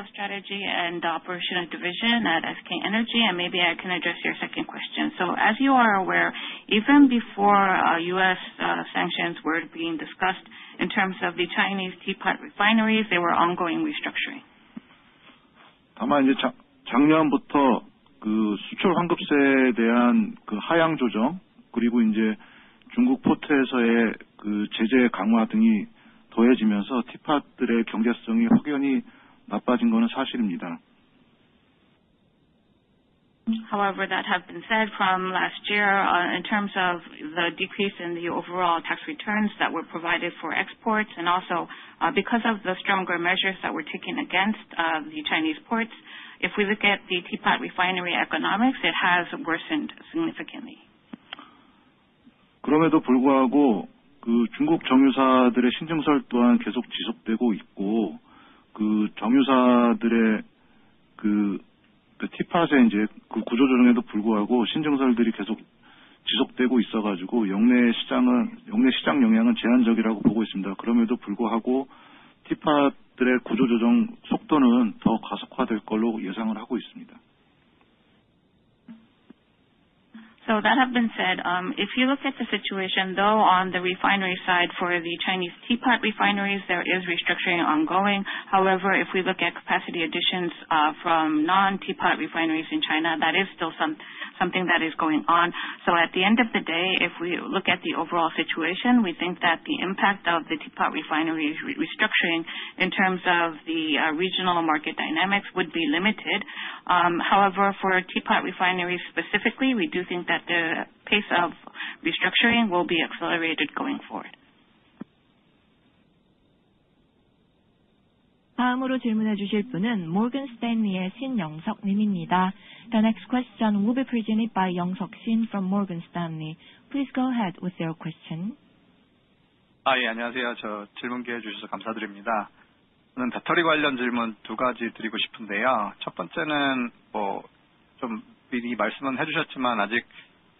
Speaker 1: of Strategy and Operational Division at SK Energy, and maybe I can address your second question. So as you are aware, even before US sanctions were being discussed in terms of the Chinese teapot refineries, they were ongoing restructuring. However, that has been said from last year in terms of the decrease in the overall tax returns that were provided for exports and also because of the stronger measures that were taken against the Chinese ports. If we look at the teapot refinery economics, it has worsened significantly. So that has been said. If you look at the situation, though, on the refinery side for the Chinese teapot refineries, there is restructuring ongoing. However, if we look at capacity additions from non-teapot refineries in China, that is still something that is going on. So at the end of the day, if we look at the overall situation, we think that the impact of the teapot refineries' restructuring in terms of the regional market dynamics would be limited. However, for teapot refineries specifically, we do think that the pace of restructuring will be accelerated going forward.
Speaker 8: 다음으로 질문해 주실 분은 모건스탠리의 신영석 님입니다. The next question will be presented by Shin Young-suk from Morgan Stanley. Please go ahead with your question.
Speaker 13: 안녕하세요. 질문 기회 주셔서 감사드립니다. 저는 배터리 관련 질문 두 가지 드리고 싶은데요. 첫 번째는 좀 미리 말씀은 해 주셨지만 아직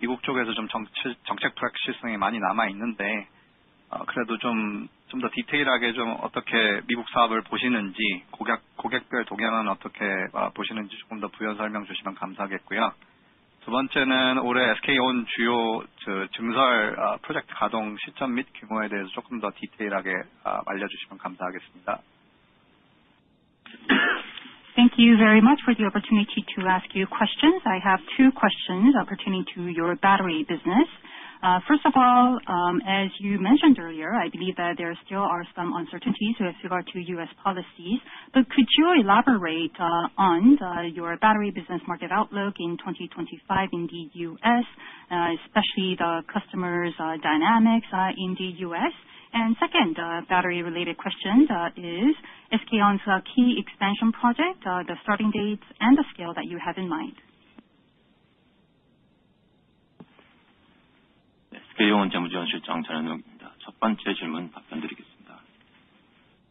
Speaker 13: 미국 쪽에서 정책 불확실성이 많이 남아 있는데, 그래도 좀더 디테일하게 어떻게 미국 사업을 보시는지, 고객별 동향은 어떻게 보시는지 조금 더 부연 설명 주시면 감사하겠고요. 두 번째는 올해 SK On 주요 증설 프로젝트 가동 시점 및 규모에 대해서 조금 더 디테일하게 알려주시면 감사하겠습니다.
Speaker 11: Thank you very much for the opportunity to ask you questions. I have two questions pertaining to your battery business. First of all, as you mentioned earlier, I believe that there still are some uncertainties with regard to US policies. But could you elaborate on your battery business market outlook in 2025 in the US, especially the customers' dynamics in the US? And second, a battery-related question is SK On's key expansion project, the starting dates and the scale that you have in mind.
Speaker 13: SK 온 전현욱 실장입니다. 첫 번째 질문 답변드리겠습니다.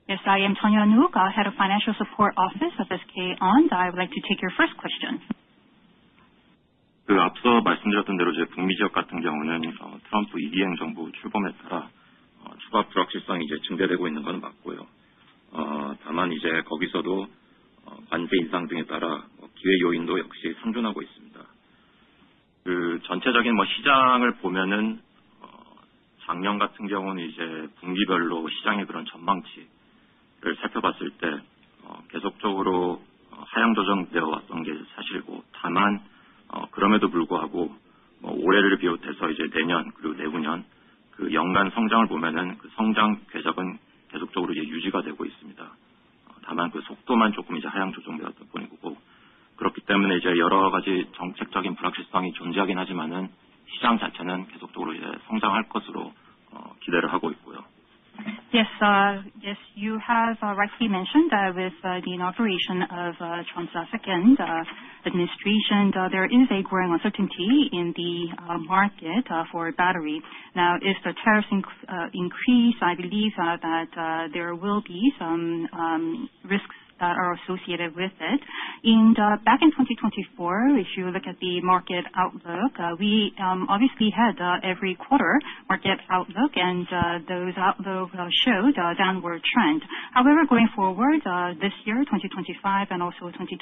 Speaker 11: Yes, I am Jeon Hyun-wook, head of Financial Support Office of SK On. I would like to take your first question.
Speaker 13: 앞서 말씀드렸던 대로 북미 지역 같은 경우는 트럼프 2기 행정부 출범에 따라 추가 불확실성이 증대되고 있는 것은 맞고요. 다만 이제 거기서도 관세 인상 등에 따라 기회 요인도 역시 상존하고 있습니다. 전체적인 시장을 보면 작년 같은 경우는 이제 분기별로 시장의 그런 전망치를 살펴봤을 때 계속적으로 하향 조정되어 왔던 게 사실이고, 다만 그럼에도 불구하고 올해를 비롯해서 이제 내년 그리고 내후년 연간 성장을 보면 그 성장 궤적은 계속적으로 유지가 되고 있습니다. 다만 그 속도만 조금 이제 하향 조정되었던 뿐이고, 그렇기 때문에 이제 여러 가지 정책적인 불확실성이 존재하긴 하지만 시장 자체는 계속적으로 이제 성장할 것으로 기대를 하고 있고요.
Speaker 11: Yes, you have rightly mentioned that with the inauguration of Trump's second administration, there is a growing uncertainty in the market for battery. Now, if the tariffs increase, I believe that there will be some risks that are associated with it. Back in 2024, if you look at the market outlook, we obviously had every quarter market outlook, and those outlooks showed a downward trend. However, going forward this year, 2025, and also 2026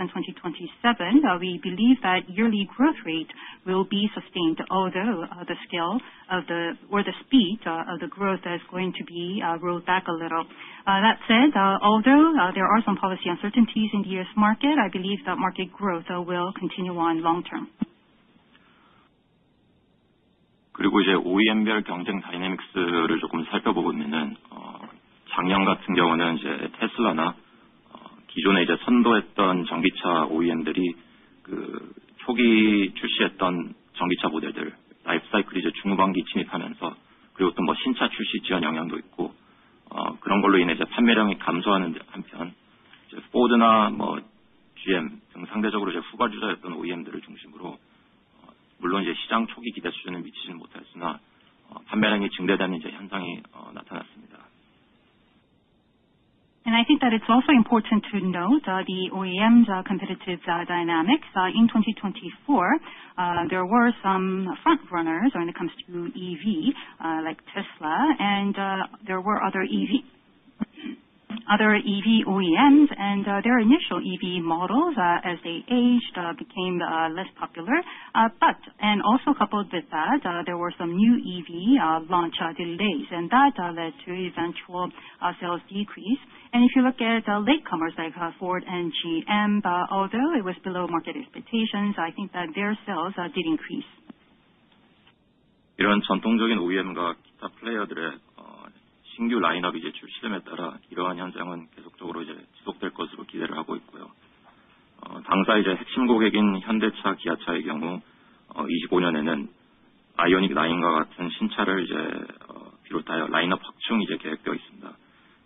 Speaker 11: and 2027, we believe that yearly growth rate will be sustained, although the scale of the speed of the growth is going to be rolled back a little. That said, although there are some policy uncertainties in the U.S. market, I believe that market growth will continue on long-term.
Speaker 13: 그리고 이제 OEM별 경쟁 다이내믹스를 조금 살펴보면, 작년 같은 경우는 이제 테슬라나 기존에 이제 선도했던 전기차 OEM들이 초기 출시했던 전기차 모델들, 라이프 사이클이 이제 중후반기 진입하면서, 그리고 또뭐 신차 출시 지연 영향도 있고, 그런 걸로 인해 이제 판매량이 감소하는 한편, 이제 포드나 뭐 GM 등 상대적으로 이제 후발 주자였던 OEM들을 중심으로, 물론 이제 시장 초기 기대 수준을 미치지는 못했으나 판매량이 증대되는 이제 현상이 나타났습니다.
Speaker 11: And I think that it's also important to note the OEM competitive dynamics. In 2024, there were some front runners when it comes to EV, like Tesla, and there were other EV OEMs, and their initial EV models, as they aged, became less popular. But, and also coupled with that, there were some new EV launch delays, and that led to eventual sales decrease. And if you look at latecomers like Ford and GM, although it was below market expectations, I think that their sales did increase.
Speaker 13: 이런 전통적인 OEM과 기타 플레이어들의 신규 라인업이 이제 출시됨에 따라 이러한 현상은 계속적으로 이제 지속될 것으로 기대를 하고 있고요. 당사의 이제 핵심 고객인 현대차, 기아차의 경우 25년에는 아이오닉 9과 같은 신차를 이제 비롯하여 라인업 확충이 이제 계획되어 있습니다.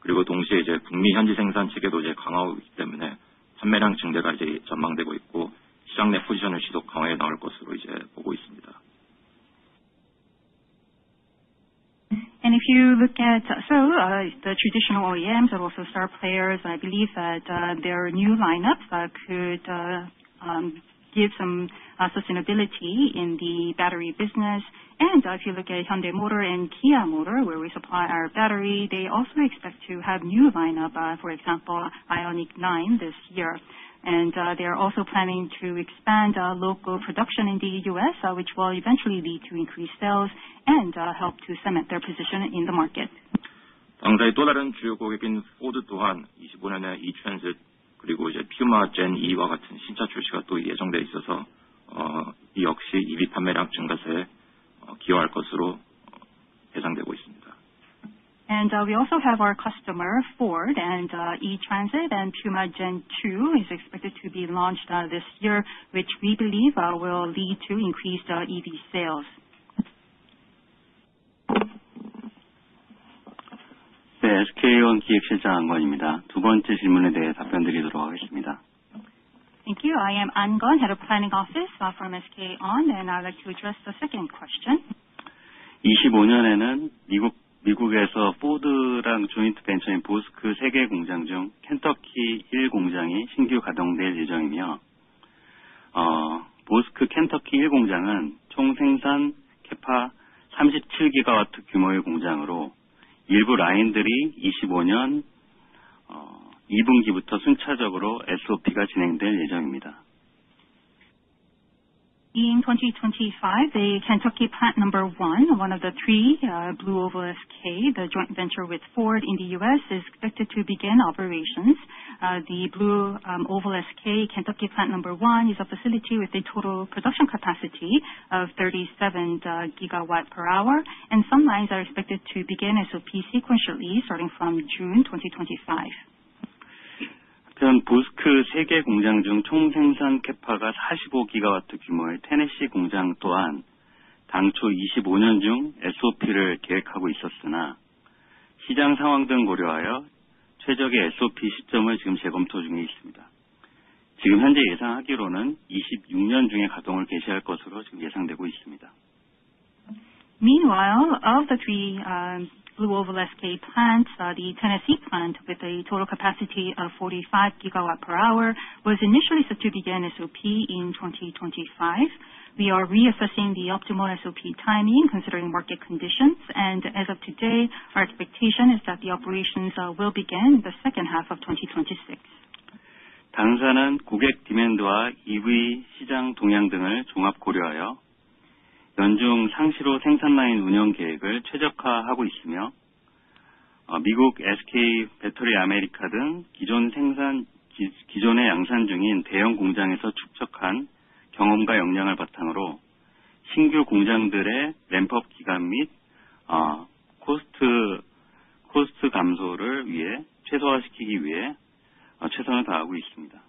Speaker 13: 그리고 동시에 이제 북미 현지 생산 체계도 이제 강화하고 있기 때문에 판매량 증대가 이제 전망되고 있고, 시장 내 포지션을 지속 강화해 나갈 것으로 이제 보고 있습니다.
Speaker 11: And if you look at the traditional OEMs and other players, I believe that their new lineups could give some sustainability in the battery business. And if you look at Hyundai Motor and Kia Motor, where we supply our battery, they also expect to have a new lineup, for example, IONIQ 9 this year. They are also planning to expand local production in the U.S., which will eventually lead to increased sales and help to cement their position in the market.
Speaker 13: 당사의 또 다른 주요 고객인 포드 또한 25년에 E-Transit, 그리고 이제 퓨마 Gen-E와 같은 신차 출시가 또 예정되어 있어서 이 역시 EV 판매량 증가세에 기여할 것으로 예상되고 있습니다.
Speaker 11: We also have our customer Ford, and E-Transit and Puma Gen-E is expected to be launched this year, which we believe will lead to increased EV sales.
Speaker 13: 네, SK온 기획실장 안곤입니다. 두 번째 질문에 대해 답변드리도록 하겠습니다.
Speaker 3: Thank you. I am An Gon, Head of Planning Office from SK On, and I would like to address the second question.
Speaker 13: 25년에는 미국에서 포드랑 조인트 벤처인 보스크 3개 공장 중 켄터키 1공장이 신규 가동될 예정이며, 보스크 켄터키 1공장은 총 생산 케파 37GW 규모의 공장으로 일부 라인들이 25년 2분기부터 순차적으로 SOP가 진행될 예정입니다.
Speaker 3: In 2025, the Kentucky Plant Number One, one of the three BlueOval SK, the joint venture with Ford in the U.S., is expected to begin operations. The BlueOval SK Kentucky Plant Number One is a facility with a total production capacity of 37 GW per hour, and some lines are expected to begin SOP sequentially starting from June 2025.
Speaker 13: 그런 보스크 3개 공장 중총 생산 케파가 45GW 규모의 테네시 공장 또한 당초 25년 중 SOP를 계획하고 있었으나 시장 상황 등 고려하여 최적의 SOP 시점을 지금 재검토 중에 있습니다. 지금 현재 예상하기로는 26년 중에 가동을 개시할 것으로 지금 예상되고 있습니다.
Speaker 3: Meanwhile, of the three BlueOval SK plants, the Tennessee plant with a total capacity of 45 GW per hour was initially set to begin SOP in 2025. We are reassessing the optimal SOP timing considering market conditions, and as of today, our expectation is that the operations will begin the second half of 2026.
Speaker 13: 당사는 고객 디맨드와 EV 시장 동향 등을 종합 고려하여 연중 상시로 생산라인 운영 계획을 최적화하고 있으며, 미국 SK Battery America 등 기존 생산, 기존에 양산 중인 대형 공장에서 축적한 경험과 역량을 바탕으로 신규 공장들의 램프업 기간 및 코스트 감소를 위해 최소화시키기 위해 최선을 다하고 있습니다.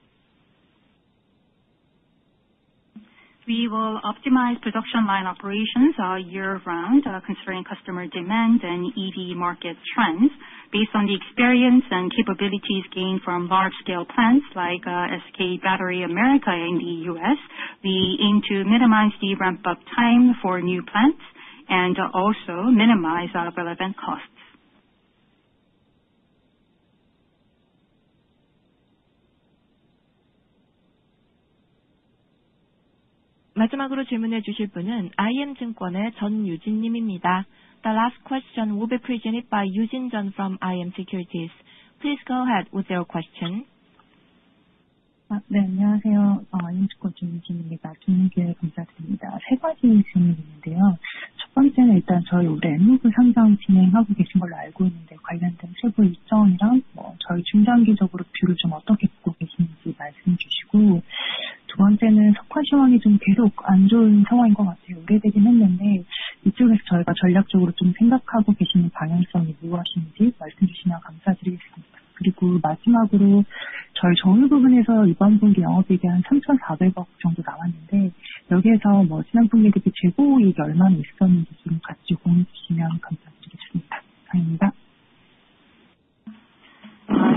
Speaker 3: We will optimize production line operations year-round considering customer demand and EV market trends. Based on the experience and capabilities gained from large-scale plants like SK Battery America in the US, we aim to minimize the ramp-up time for new plants and also minimize relevant costs.
Speaker 8: 마지막으로 질문해 주실 분은 iM Securities의 Jeon Yu-jin 님입니다. The last question will be presented by Jeon Yu-jin from iM Securities. Please go ahead with your question.
Speaker 14: 네, 안녕하세요. iM Securities Jeon Yu-jin입니다. 좋은 기회 감사드립니다. 세 가지 질문이 있는데요. 첫 번째는 일단 저희 올해 SK Enmove 상장 진행하고 계신 걸로 알고 있는데, 관련된 세부 일정이랑 저희 중장기적으로 뷰를 좀 어떻게 보고 계시는지 말씀해 주시고, 두 번째는 석유화학 시황이 좀 계속 안 좋은 상황인 것 같아요. 우려되긴 했는데 이쪽에서 저희가 전략적으로 좀 생각하고 계시는 방향성이 무엇인지 말씀해 주시면 감사드리겠습니다. 그리고 마지막으로 저희 SK Enmove 부분에서 이번 분기 영업이익이 한 340 billion 정도 나왔는데, 여기에서 뭐 지난 분기 대비 재고 이익이 얼마나 있었는지 좀 같이 공유해 주시면 감사드리겠습니다. 감사합니다.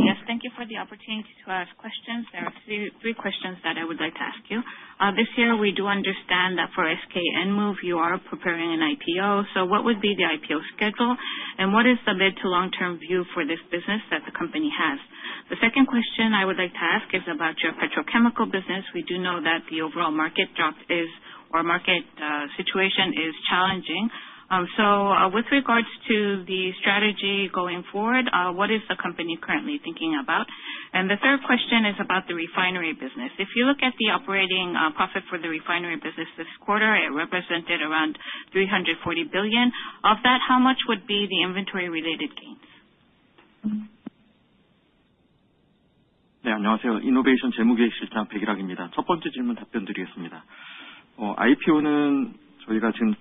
Speaker 3: Yes, thank you for the opportunity to ask questions. There are three questions that I would like to ask you. This year we do understand that for SK Enmove you are preparing an IPO. So what would be the IPO schedule, and what is the mid to long-term view for this business that the company has? The second question I would like to ask is about your petrochemical business. We do know that the overall market drop is, or market situation is, challenging. With regards to the strategy going forward, what is the company currently thinking about? And the third question is about the refinery business. If you look at the operating profit for the refinery business this quarter, it represented around 340 billion won. Of that, how much would be the inventory-related gains?
Speaker 14: 네, 안녕하세요. 이노베이션 재무기획실장 백일학입니다. 첫 번째 질문 답변드리겠습니다. IPO는 저희가 지금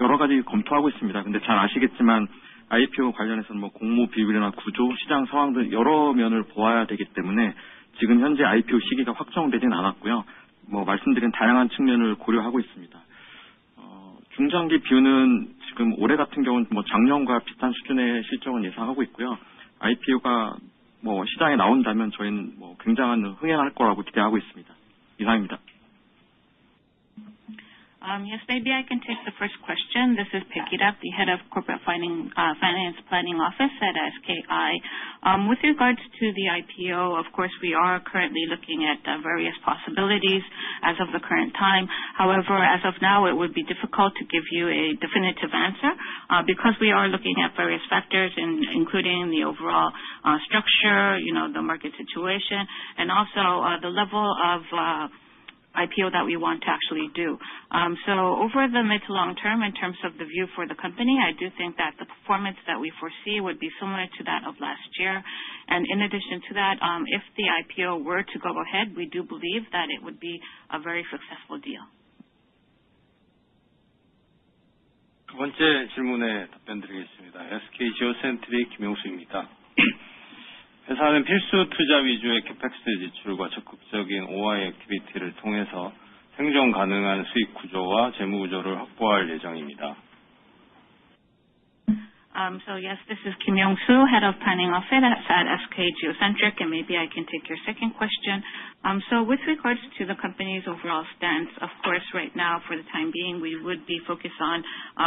Speaker 14: 여러 가지 검토하고 있습니다. 근데 잘 아시겠지만 IPO 관련해서는 뭐 공모 비율이나 구조, 시장 상황 등 여러 면을 보아야 되기 때문에 지금 현재 IPO 시기가 확정되진 않았고요. 뭐 말씀드린 다양한 측면을 고려하고 있습니다. 중장기 뷰는 지금 올해 같은 경우는 뭐 작년과 비슷한 수준의 실적은 예상하고 있고요. IPO가 뭐 시장에 나온다면 저희는 뭐 굉장한 흥행할 거라고 기대하고 있습니다. 이상입니다.
Speaker 15: Yes, maybe I can take the first question. This is Pae Gi-rak, the Head of Corporate Finance Planning Office at SKI. With regards to the IPO, of course we are currently looking at various possibilities as of the current time. However, as of now, it would be difficult to give you a definitive answer because we are looking at various factors, including the overall structure, you know, the market situation, and also the level of IPO that we want to actually do, so over the mid to long term, in terms of the view for the company, I do think that the performance that we foresee would be similar to that of last year, and in addition to that, if the IPO were to go ahead, we do believe that it would be a very successful deal.
Speaker 14: 두 번째 질문에 답변드리겠습니다. SK 지오센트릭 김용수입니다.
Speaker 15: a sustainable profit structure and financial structure through capital expenditure focused on essential investments and active OI activities. So yes, this is Kim Yong-soo, Head of Planning Office at SK Geocentric, and maybe I can take your second question. So with regards to the company's overall stance, of course right now for the time being we would be focused on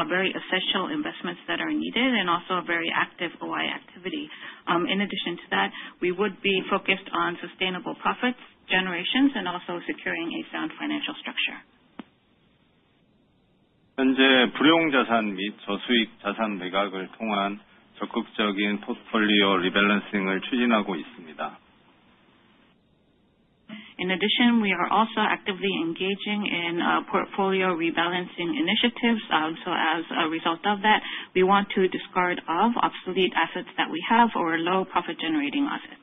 Speaker 15: very essential investments that are needed and also very active OI activity. In addition to that, we would be focused on sustainable profit generations and also securing a sound financial structure. We are currently pushing forward with active portfolio rebalancing through the sale of idle assets and low-profit assets. In addition, we are also actively engaging in portfolio rebalancing initiatives. So as a result of that, we want to discard obsolete assets that we have or low profit generating assets.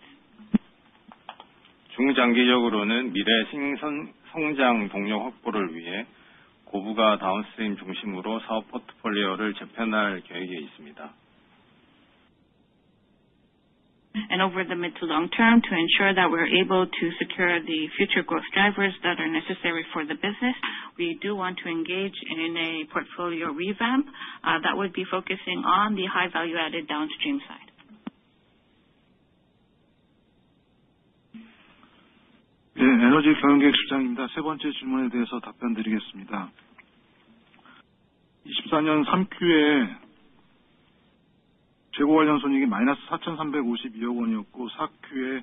Speaker 15: In the mid- to long-term, we plan to reorganize the business portfolio centered on high-value-added downstream to secure future production growth drivers. Over the mid to long term, to ensure that we're able to secure the future growth drivers that are necessary for the business, we do want to engage in a portfolio revamp that would be focusing on the high value added downstream side.
Speaker 14: 네, 에너지 경영기획실장입니다. 세 번째 질문에 대해서 답변드리겠습니다. 24년 3Q에 재고 관련 손익이 마이너스 4,352억 원이었고 4Q에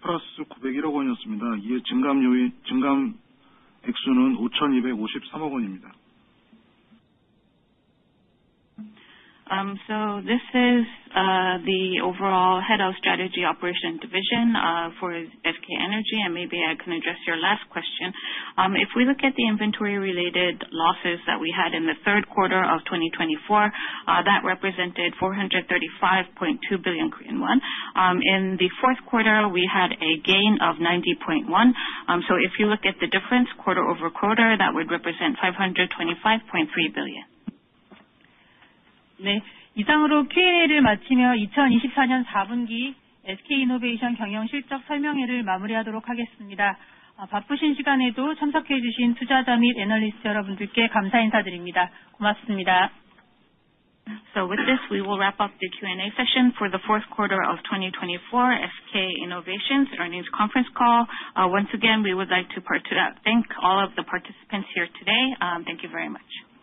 Speaker 14: 플러스 901억 원이었습니다. 이에 증감 액수는 5,253억 원입니다.
Speaker 1: This is the overall Head of Strategy Operation Division for SK Energy, and maybe I can address your last question. If we look at the inventory-related losses that we had in the third quarter of 2024, that represented 435.2 billion Korean won. In the fourth quarter, we had a gain of 90.1 billion. If you look at the difference quarter over quarter, that would represent 525.3 billion.
Speaker 8: 네, 이상으로 Q&A를 마치며 2024년 4분기 SK 이노베이션 경영 실적 설명회를 마무리하도록 하겠습니다. 바쁘신 시간에도 참석해 주신 투자자 및 애널리스트 여러분들께 감사 인사드립니다. 고맙습니다.
Speaker 1: So with this, we will wrap up the Q&A session for the fourth quarter of 2024 SK Innovation Earnings Conference Call. Once again, we would like to thank all of the participants here today. Thank you very much.